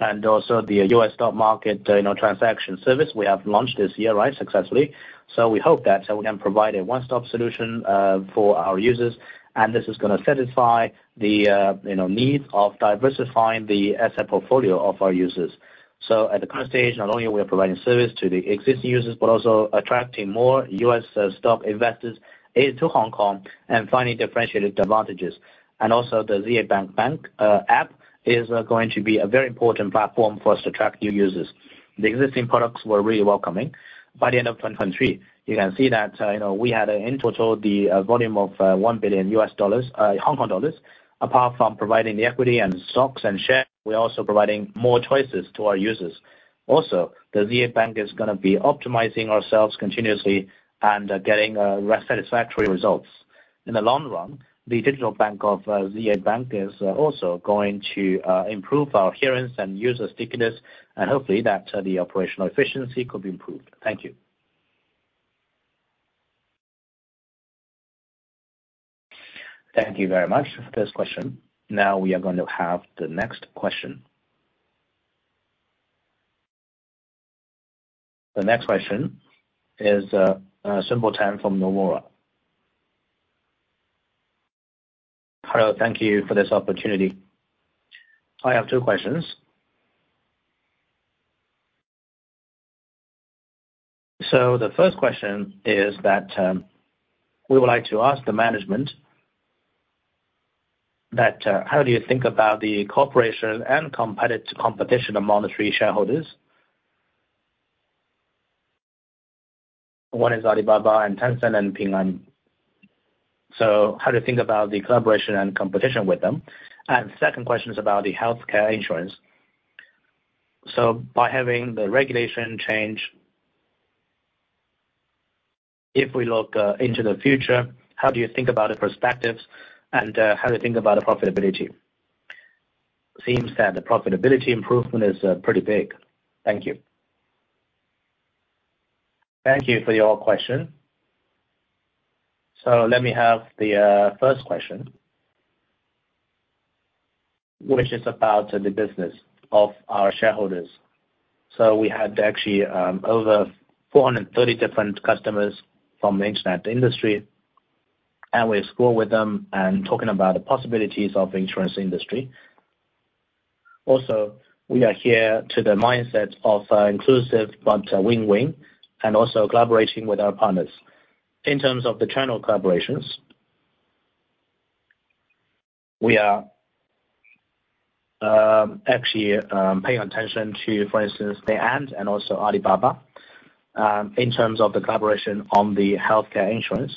and the U.S. stock market transaction service we have launched this year successfully. We hope that we can provide a one-stop solution for our users and this is going to satisfy the need of diversifying the asset portfolio of our users. At the current stage, not only are we providing service to the existing users, but also attracting more U.S. stock investors to Hong Kong and finding differentiated advantages. And also the ZA Bank bank app is going to be a very important platform for us to attract new users. The existing products were really welcoming. By the end of 2023, you can see that we had in total the volume of $1 billion, HKD. Apart from providing the equity and stocks and shares, we are also providing more choices to our users. Also, ZA Bank is going to be optimizing ourselves continuously and getting satisfactory results. In the long run, the digital bank of ZA Bank is also going to improve our adherence and user stickiness and hopefully that the operational efficiency could be improved. Thank you. Thank you very much for this question. We are going to have the next question. The next question is Sampson Tan from Nomura. Hello, thank you for this opportunity. I have two questions. The first question is we would like to ask the management how do you think about the cooperation and competition among the three shareholders? One is Alibaba, Tencent and Ping An. How do you think about the collaboration and competition with them? Second question is about the healthcare insurance. By having the regulation change, if we look into the future, how do you think about the perspectives and how do you think about the profitability? Seems the profitability improvement is pretty big. Thank you. Thank you for your question. Let me have the first question, which is about the business of our shareholders. We had actually over 430 different customers from the internet industry, and we explore with them and talking about the possibilities of insurance industry. We are here to the mindset of inclusive but win-win, and also collaborating with our partners. In terms of the channel collaborations, we are actually paying attention to, for instance, Ant and also Alibaba, in terms of the collaboration on the healthcare insurance.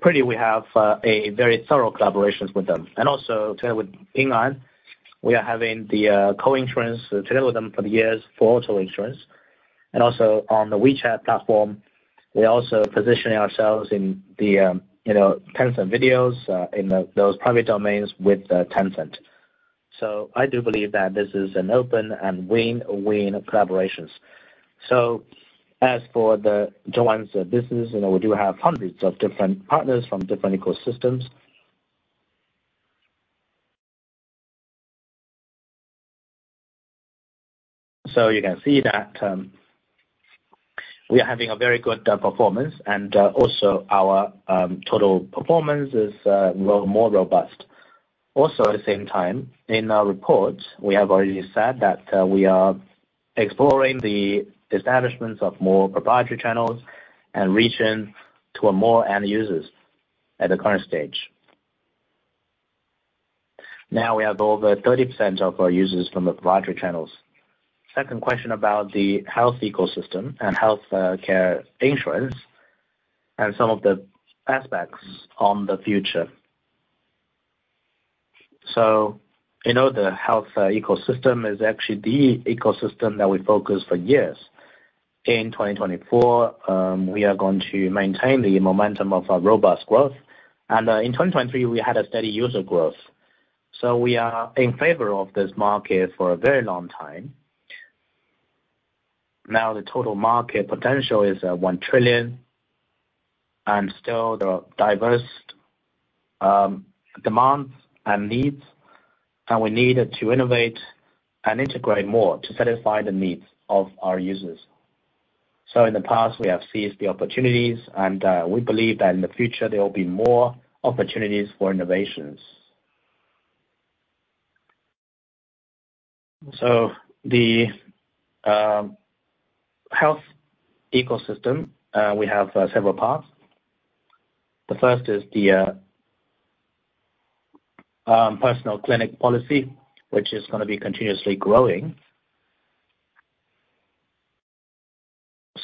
Pretty we have a very thorough collaborations with them. Together with Ping An, we are having the co-insurance together with them for the years for auto insurance. On the WeChat platform, we are also positioning ourselves in the Tencent Video, in those private domains with Tencent. I do believe that this is an open and win-win collaborations. As for the ZhongAn business, we do have hundreds of different partners from different ecosystems. You can see we are having a very good performance and also our total performance is more robust. At the same time, in our reports, we have already said we are exploring the establishments of more proprietary channels and reaching to more end users at the current stage. We have over 30% of our users from the proprietary channels. Second question about the health ecosystem and healthcare insurance, and some of the aspects on the future. The health ecosystem is actually the ecosystem we focus for years. In 2024, we are going to maintain the momentum of our robust growth. In 2023, we had a steady user growth. We are in favor of this market for a very long time. The total market potential is 1 trillion, and still there are diverse demands and needs. We need to innovate and integrate more to satisfy the needs of our users. In the past we have seized the opportunities, and we believe that in the future there will be more opportunities for innovations. The health ecosystem, we have several parts. The first is the Personal Clinic Policy, which is going to be continuously growing.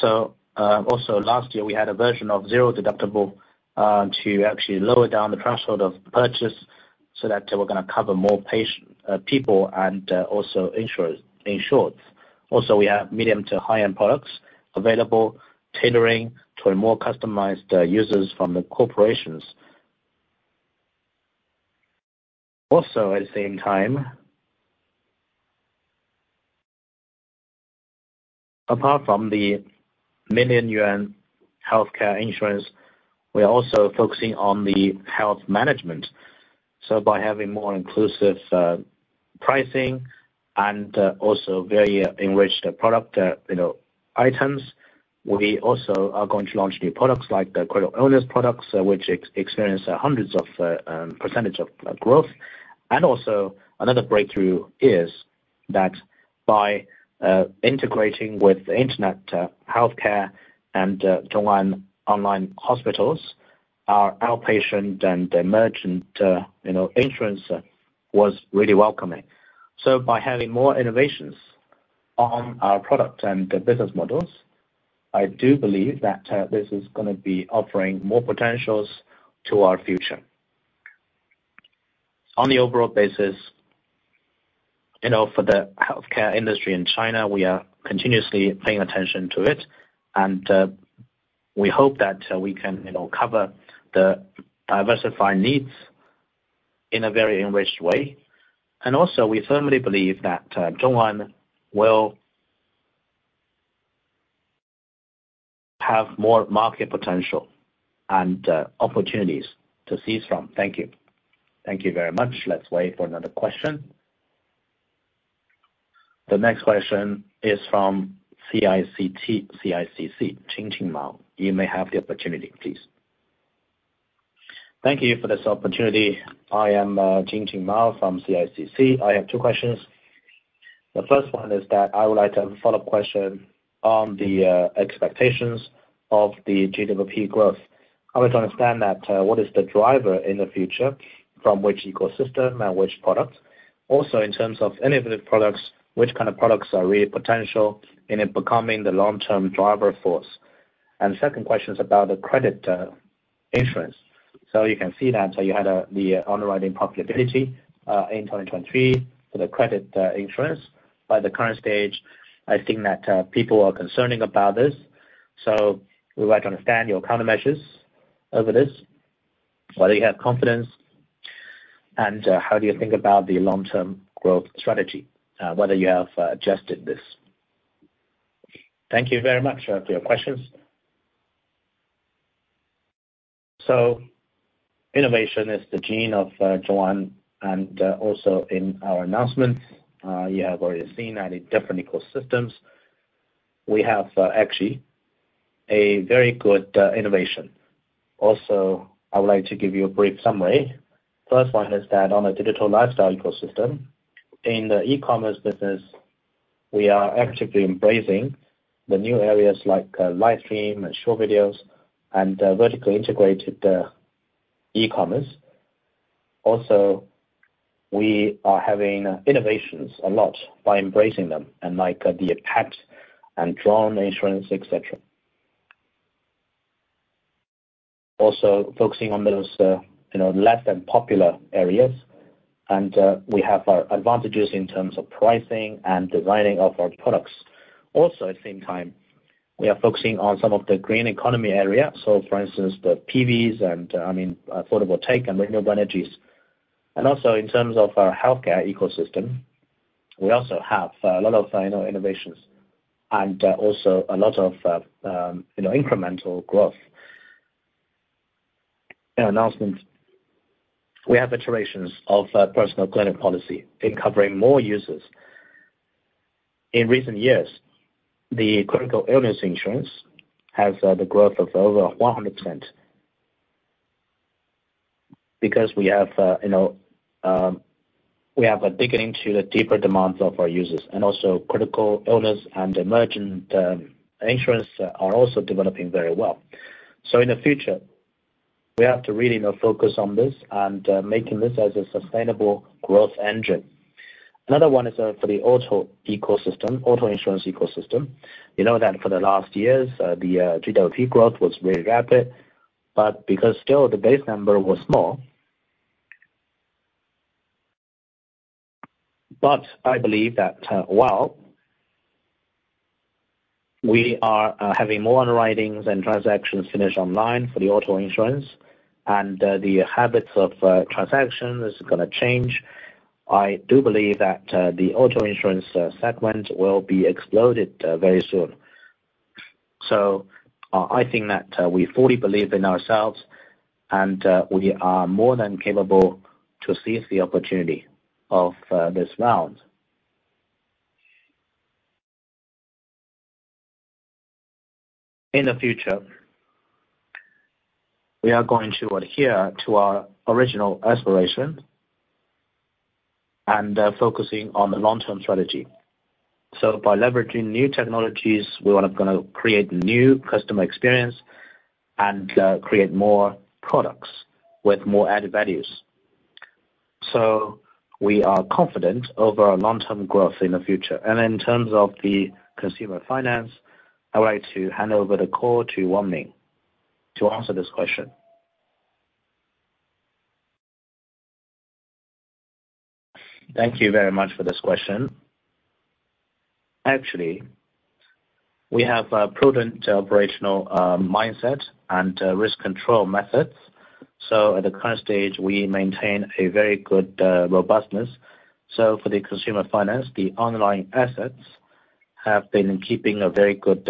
Also last year we had a version of zero deductible to actually lower down the threshold of purchase so that we are going to cover more people and also insureds. We have medium to high-end products available, tailoring to a more customized users from the corporations. At the same time, apart from the million yuan healthcare insurance, we are also focusing on the health management. By having more inclusive pricing and also very enriched product items. We also are going to launch new products like the credit owners products, which experience hundreds of percentage of growth. Another breakthrough is that by integrating with internet healthcare and ZhongAn online hospitals, our outpatient and emergent insurance was really welcoming. By having more innovations on our product and the business models, I do believe that this is going to be offering more potentials to our future. On the overall basis, for the healthcare industry in China, we are continuously paying attention to it, and we hope that we can cover the diversified needs in a very enriched way. We firmly believe that ZhongAn will have more market potential and opportunities to seize from. Thank you. Thank you very much. Let's wait for another question. The next question is from CICC, Jingjing Mao. You may have the opportunity, please. Thank you for this opportunity. I am Jingjing Mao from CICC. I have two questions. The first one is that I would like to have a follow-up question on the expectations of the GWP growth. I would like to understand that what is the driver in the future, from which ecosystem and which product? In terms of innovative products, which kind of products are really potential in it becoming the long-term driver force? Second question is about the credit insurance. You can see that you had the underwriting profitability, in 2023 for the credit insurance. By the current stage, I think that people are concerning about this. We would like to understand your countermeasures over this? Whether you have confidence and how do you think about the long-term growth strategy, whether you have adjusted this? Thank you very much for your questions. Innovation is the gene of ZhongAn, and also in our announcements, you have already seen in different ecosystems, we have actually a very good innovation. I would like to give you a brief summary. First one is that on a digital lifestyle ecosystem, in the e-commerce business, we are actively embracing the new areas like live stream and short videos and vertically integrated e-commerce. We are having innovations a lot by embracing them and like the pet and drone insurance, et cetera. Focusing on those less than popular areas. We have our advantages in terms of pricing and designing of our products. At the same time, we are focusing on some of the green economy area. For instance, the PVs and, I mean, photovoltaic and renewable energies. In terms of our healthcare ecosystem, we also have a lot of innovations and also a lot of incremental growth. In our announcement, we have iterations of Personal Clinic Policy in covering more users. In recent years, the critical illness products has the growth of over 100%. We have a dig into the deeper demands of our users and also critical illness products and emergent insurance are also developing very well. In the future, we have to really now focus on this and making this as a sustainable growth engine. Another one is for the auto insurance ecosystem. You know that for the last years, the GWP growth was very rapid, but because still the base number was small. I believe that while we are having more writings and transactions finished online for the auto insurance and the habits of transaction is going to change. I do believe that the auto insurance segment will be exploded very soon. I think that we fully believe in ourselves and we are more than capable to seize the opportunity of this round. In the future, we are going to adhere to our original aspiration and focusing on the long-term strategy. By leveraging new technologies, we want to create new customer experience and create more products with more added values. We are confident over our long-term growth in the future. In terms of the consumer finance, I would like to hand over the call to Wanling to answer this question. Thank you very much for this question. Actually, we have a prudent operational mindset and risk control methods. At the current stage, we maintain a very good robustness. For the consumer finance, the underlying assets have been keeping a very good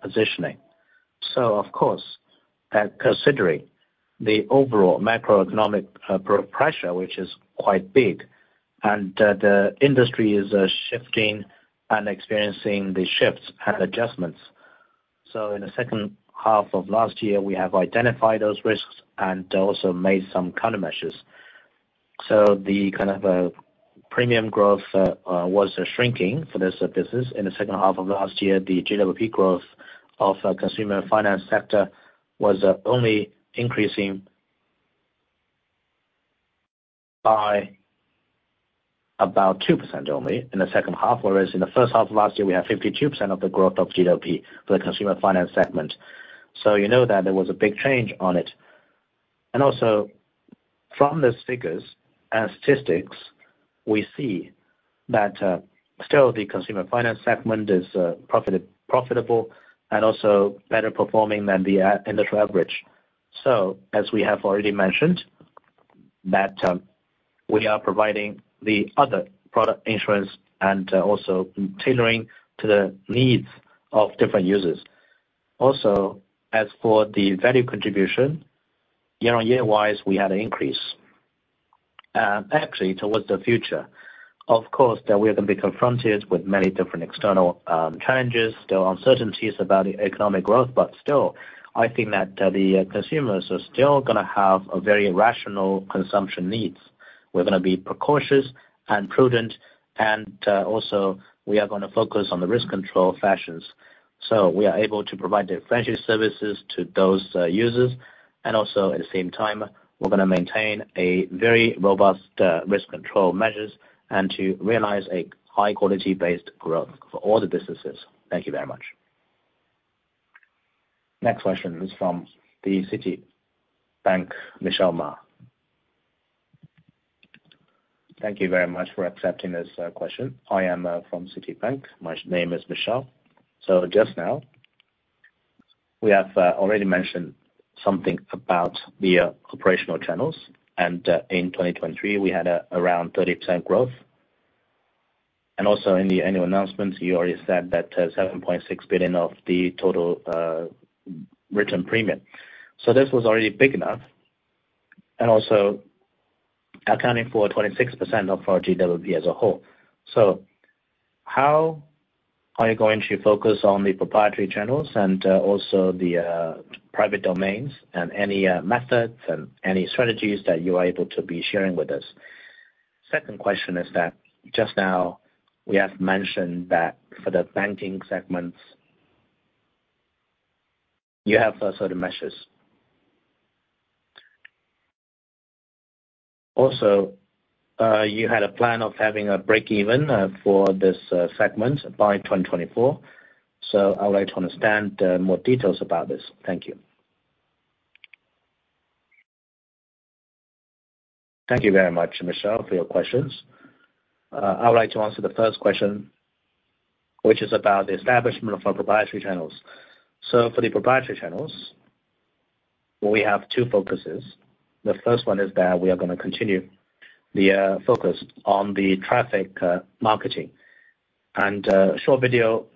positioning. Of course, considering the overall macroeconomic pressure, which is quite big, and the industry is shifting and experiencing the shifts and adjustments. In the second half of last year, we have identified those risks and also made some countermeasures. The kind of premium growth was shrinking for this business. In the second half of last year, the GDP growth of consumer finance sector was only increasing by about 2% in the second half. Whereas in the first half of last year, we had 52% of the growth of GDP for the consumer finance segment. You know that there was a big change on it. From the figures and statistics, we see that still the consumer finance segment is profitable and also better performing than the industry average. As we have already mentioned that we are providing the other product insurance and also tailoring to the needs of different users. As for the value contribution, year-over-year, we had an increase. Actually, towards the future, of course, that we are going to be confronted with many different external challenges. There are uncertainties about the economic growth. I think that the consumers are still going to have a very rational consumption needs. We're going to be precautious and prudent. We are going to focus on the risk control fashions. We are able to provide differentiated services to those users. At the same time, we're going to maintain a very robust risk control measures and to realize a high quality based growth for all the businesses. Thank you very much. Next question is from Citibank, Michelle Ma. Thank you very much for accepting this question. I am from Citibank. My name is Michelle. Just now, we have already mentioned something about the operational channels, and in 2023, we had around 30% growth. In the annual announcements, you already said that 7.6 billion of the total written premium. This was already big enough, and also accounting for 26% of our GWP as a whole. How are you going to focus on the proprietary channels and also the private domains and any methods and any strategies that you are able to be sharing with us? Second question is that just now we have mentioned that for the banking segments, you have certain measures. You had a plan of having a break even for this segment by 2024. I would like to understand more details about this. Thank you. Thank you very much, Michelle, for your questions. I would like to answer the first question, which is about the establishment of our proprietary channels. For the proprietary channels, we have two focuses. The first one is that we are going to continue the focus on the traffic marketing and short video,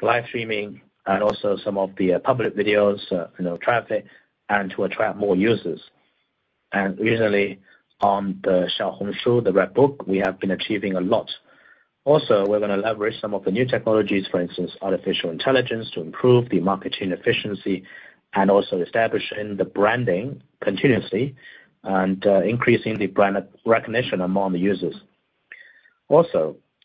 live streaming, and also some of the public videos traffic and to attract more users. Recently on the Xiaohongshu, the Red Book, we have been achieving a lot. We're going to leverage some of the new technologies, for instance, artificial intelligence, to improve the marketing efficiency and also establishing the branding continuously and increasing the brand recognition among the users.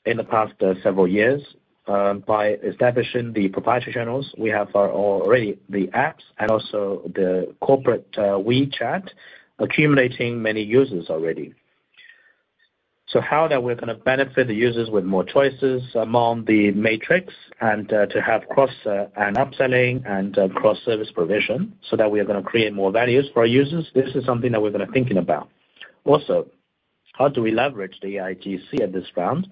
In the past several years, by establishing the proprietary channels, we have already the apps and also the corporate WeChat accumulating many users already. How that we're going to benefit the users with more choices among the matrix and to have cross and upselling and cross-service provision so that we are going to create more values for our users, this is something that we're going to thinking about. How do we leverage the AIGC at this round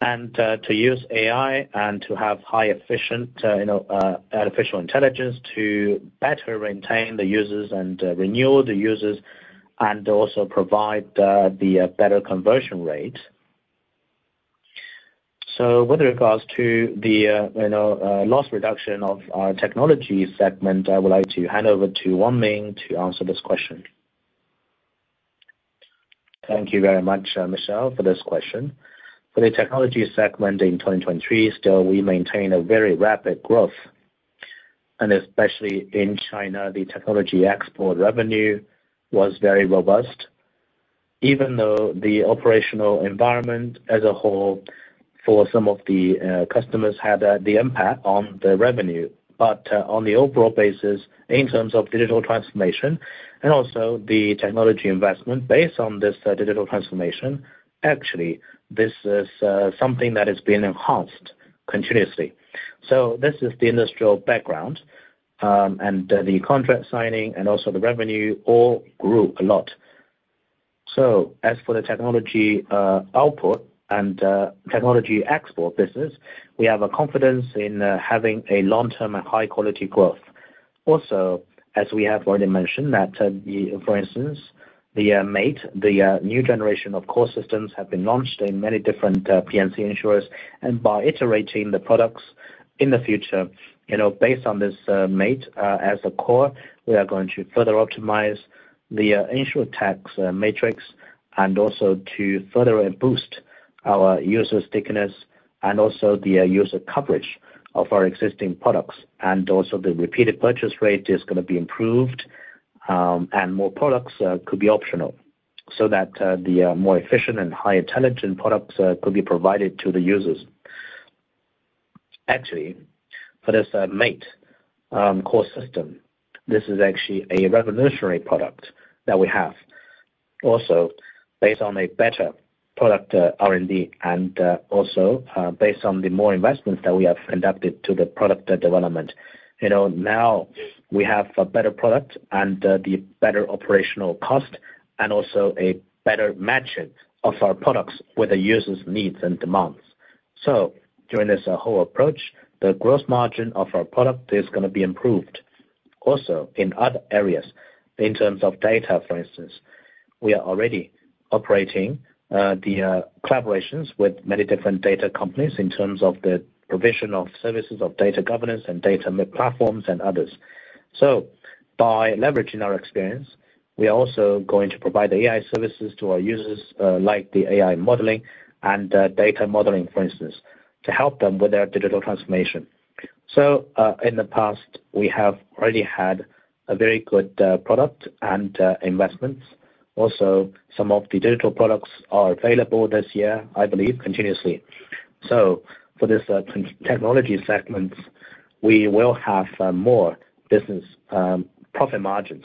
and to use AI and to have high efficient artificial intelligence to better retain the users and renew the users and also provide the better conversion rate. With regards to the loss reduction of our technology segment, I would like to hand over to Wang Ming to answer this question. Thank you very much, Michelle, for this question. The technology segment in 2023, still we maintain a very rapid growth. Especially in China, the technology export revenue was very robust, even though the operational environment as a whole for some of the customers had the impact on the revenue. On the overall basis, in terms of digital transformation and also the technology investment based on this digital transformation, actually this is something that has been enhanced continuously. This is the industrial background, and the contract signing and also the revenue all grew a lot. As for the technology output and technology export business, we have a confidence in having a long-term and high-quality growth. As we have already mentioned that, for instance, the MATE, the new generation of core systems have been launched in many different P&C insurers, and by iterating the products in the future, based on this MATE as a core, we are going to further optimize the InsurTech matrix and also to further boost our user stickiness and also the user coverage of our existing products. The repeated purchase rate is going to be improved, and more products could be optional so that the more efficient and high intelligent products could be provided to the users. For this MATE core system, this is actually a revolutionary product that we have. Based on a better product R&D, and also based on the more investments that we have conducted to the product development. We have a better product and the better operational cost and also a better match of our products with the users' needs and demands. During this whole approach, the growth margin of our product is going to be improved. In other areas, in terms of data, for instance, we are already operating the collaborations with many different data companies in terms of the provision of services of data governance and data platforms and others. By leveraging our experience, we are also going to provide AI services to our users, like the AI modeling and data modeling, for instance, to help them with their digital transformation. In the past, we have already had a very good product and investments. Some of the digital products are available this year, I believe, continuously. For this technology segment, we will have more business profit margins.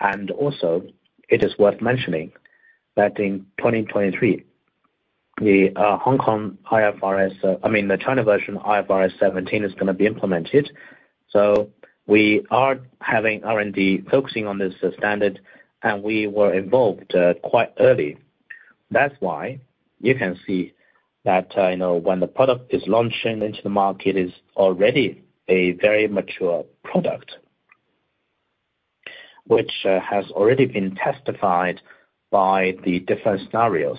It is worth mentioning that in 2023 The Hong Kong IFRS, I mean, the China version, IFRS 17 is going to be implemented. We are having R&D focusing on this standard, and we were involved quite early. That's why you can see that when the product is launching into the market, it's already a very mature product which has already been testified by the different scenarios.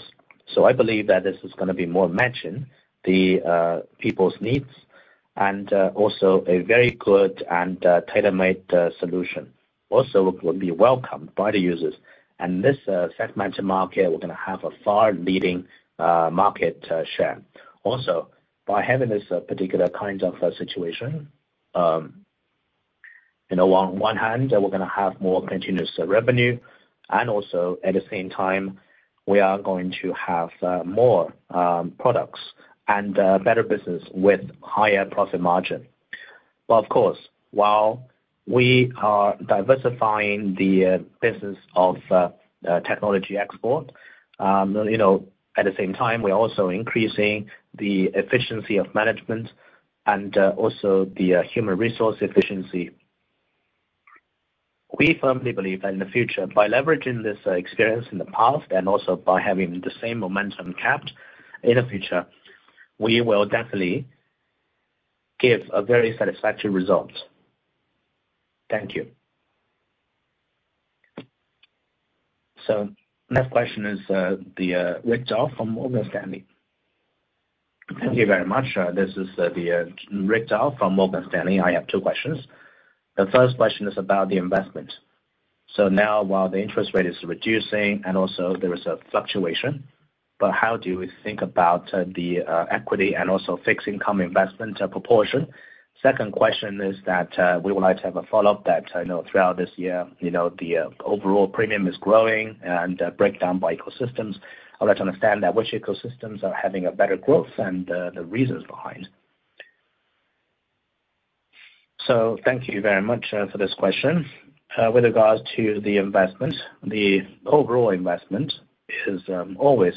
I believe that this is going to be more matching the people's needs and also a very good and tailor-made solution. It would be welcomed by the users. This segmented market, we're going to have a far leading market share. By having this particular kind of situation, on one hand, we're going to have more continuous revenue and also at the same time, we are going to have more products and better business with higher profit margin. Of course, while we are diversifying the business of technology export, at the same time, we are also increasing the efficiency of management and also the human resource efficiency. We firmly believe that in the future, by leveraging this experience in the past and also by having the same momentum kept in the future, we will definitely give a very satisfactory result. Thank you. Next question is the Rick Zhao from Morgan Stanley. Thank you very much. This is the Rick Zhao from Morgan Stanley. I have two questions. The first question is about the investment. Now while the interest rate is reducing and also there is a fluctuation, but how do you think about the equity and also fixed income investment proportion? Second question is that we would like to have a follow-up that throughout this year, the overall premium is growing and breakdown by ecosystems. I'd like to understand that which ecosystems are having a better growth and the reasons behind. Thank you very much for this question. With regards to the investment, the overall investment is always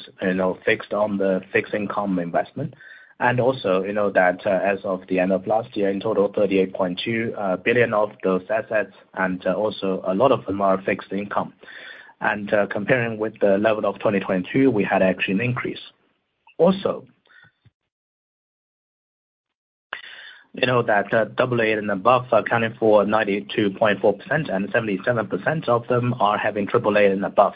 fixed on the fixed income investment. Also you know that as of the end of last year, in total, 38.2 billion of those assets and also a lot of them are fixed income. Comparing with the level of 2022, we had actually an increase. Also, you know that AA and above are accounting for 92.4% and 77% of them are having AAA and above.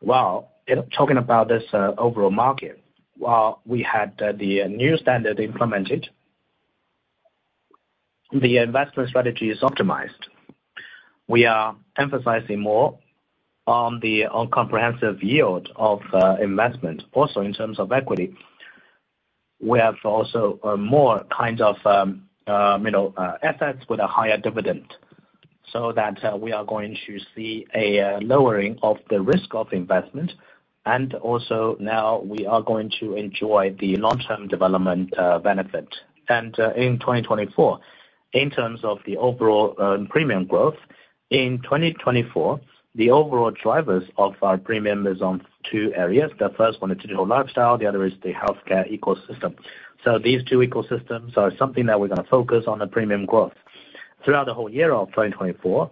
While talking about this overall market, while we had the new standard implemented, the investment strategy is optimized. We are emphasizing more on the comprehensive yield of investment. Also in terms of equity, we have also more kinds of assets with a higher dividend so that we are going to see a lowering of the risk of investment and also now we are going to enjoy the long-term development benefit. In 2024, in terms of the overall premium growth, in 2024, the overall drivers of our premium is on two areas. The first one is digital lifestyle, the other is the healthcare ecosystem. These two ecosystems are something that we're going to focus on the premium growth. Throughout the whole year of 2024,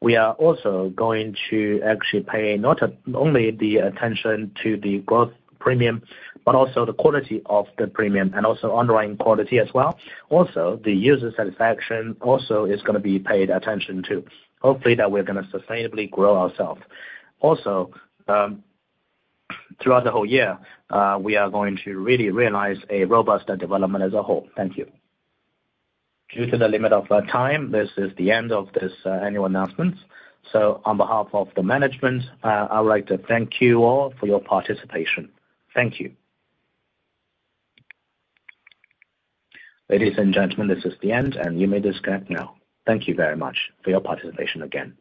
we are also going to actually pay not only the attention to the growth premium, but also the quality of the premium and also underlying quality as well. Also, the user satisfaction also is going to be paid attention to. Hopefully that we're going to sustainably grow ourself. Also, throughout the whole year, we are going to really realize a robust development as a whole. Thank you. Due to the limit of time, this is the end of this annual announcement. On behalf of the management, I would like to thank you all for your participation. Thank you. Ladies and gentlemen, this is the end, and you may disconnect now. Thank you very much for your participation again.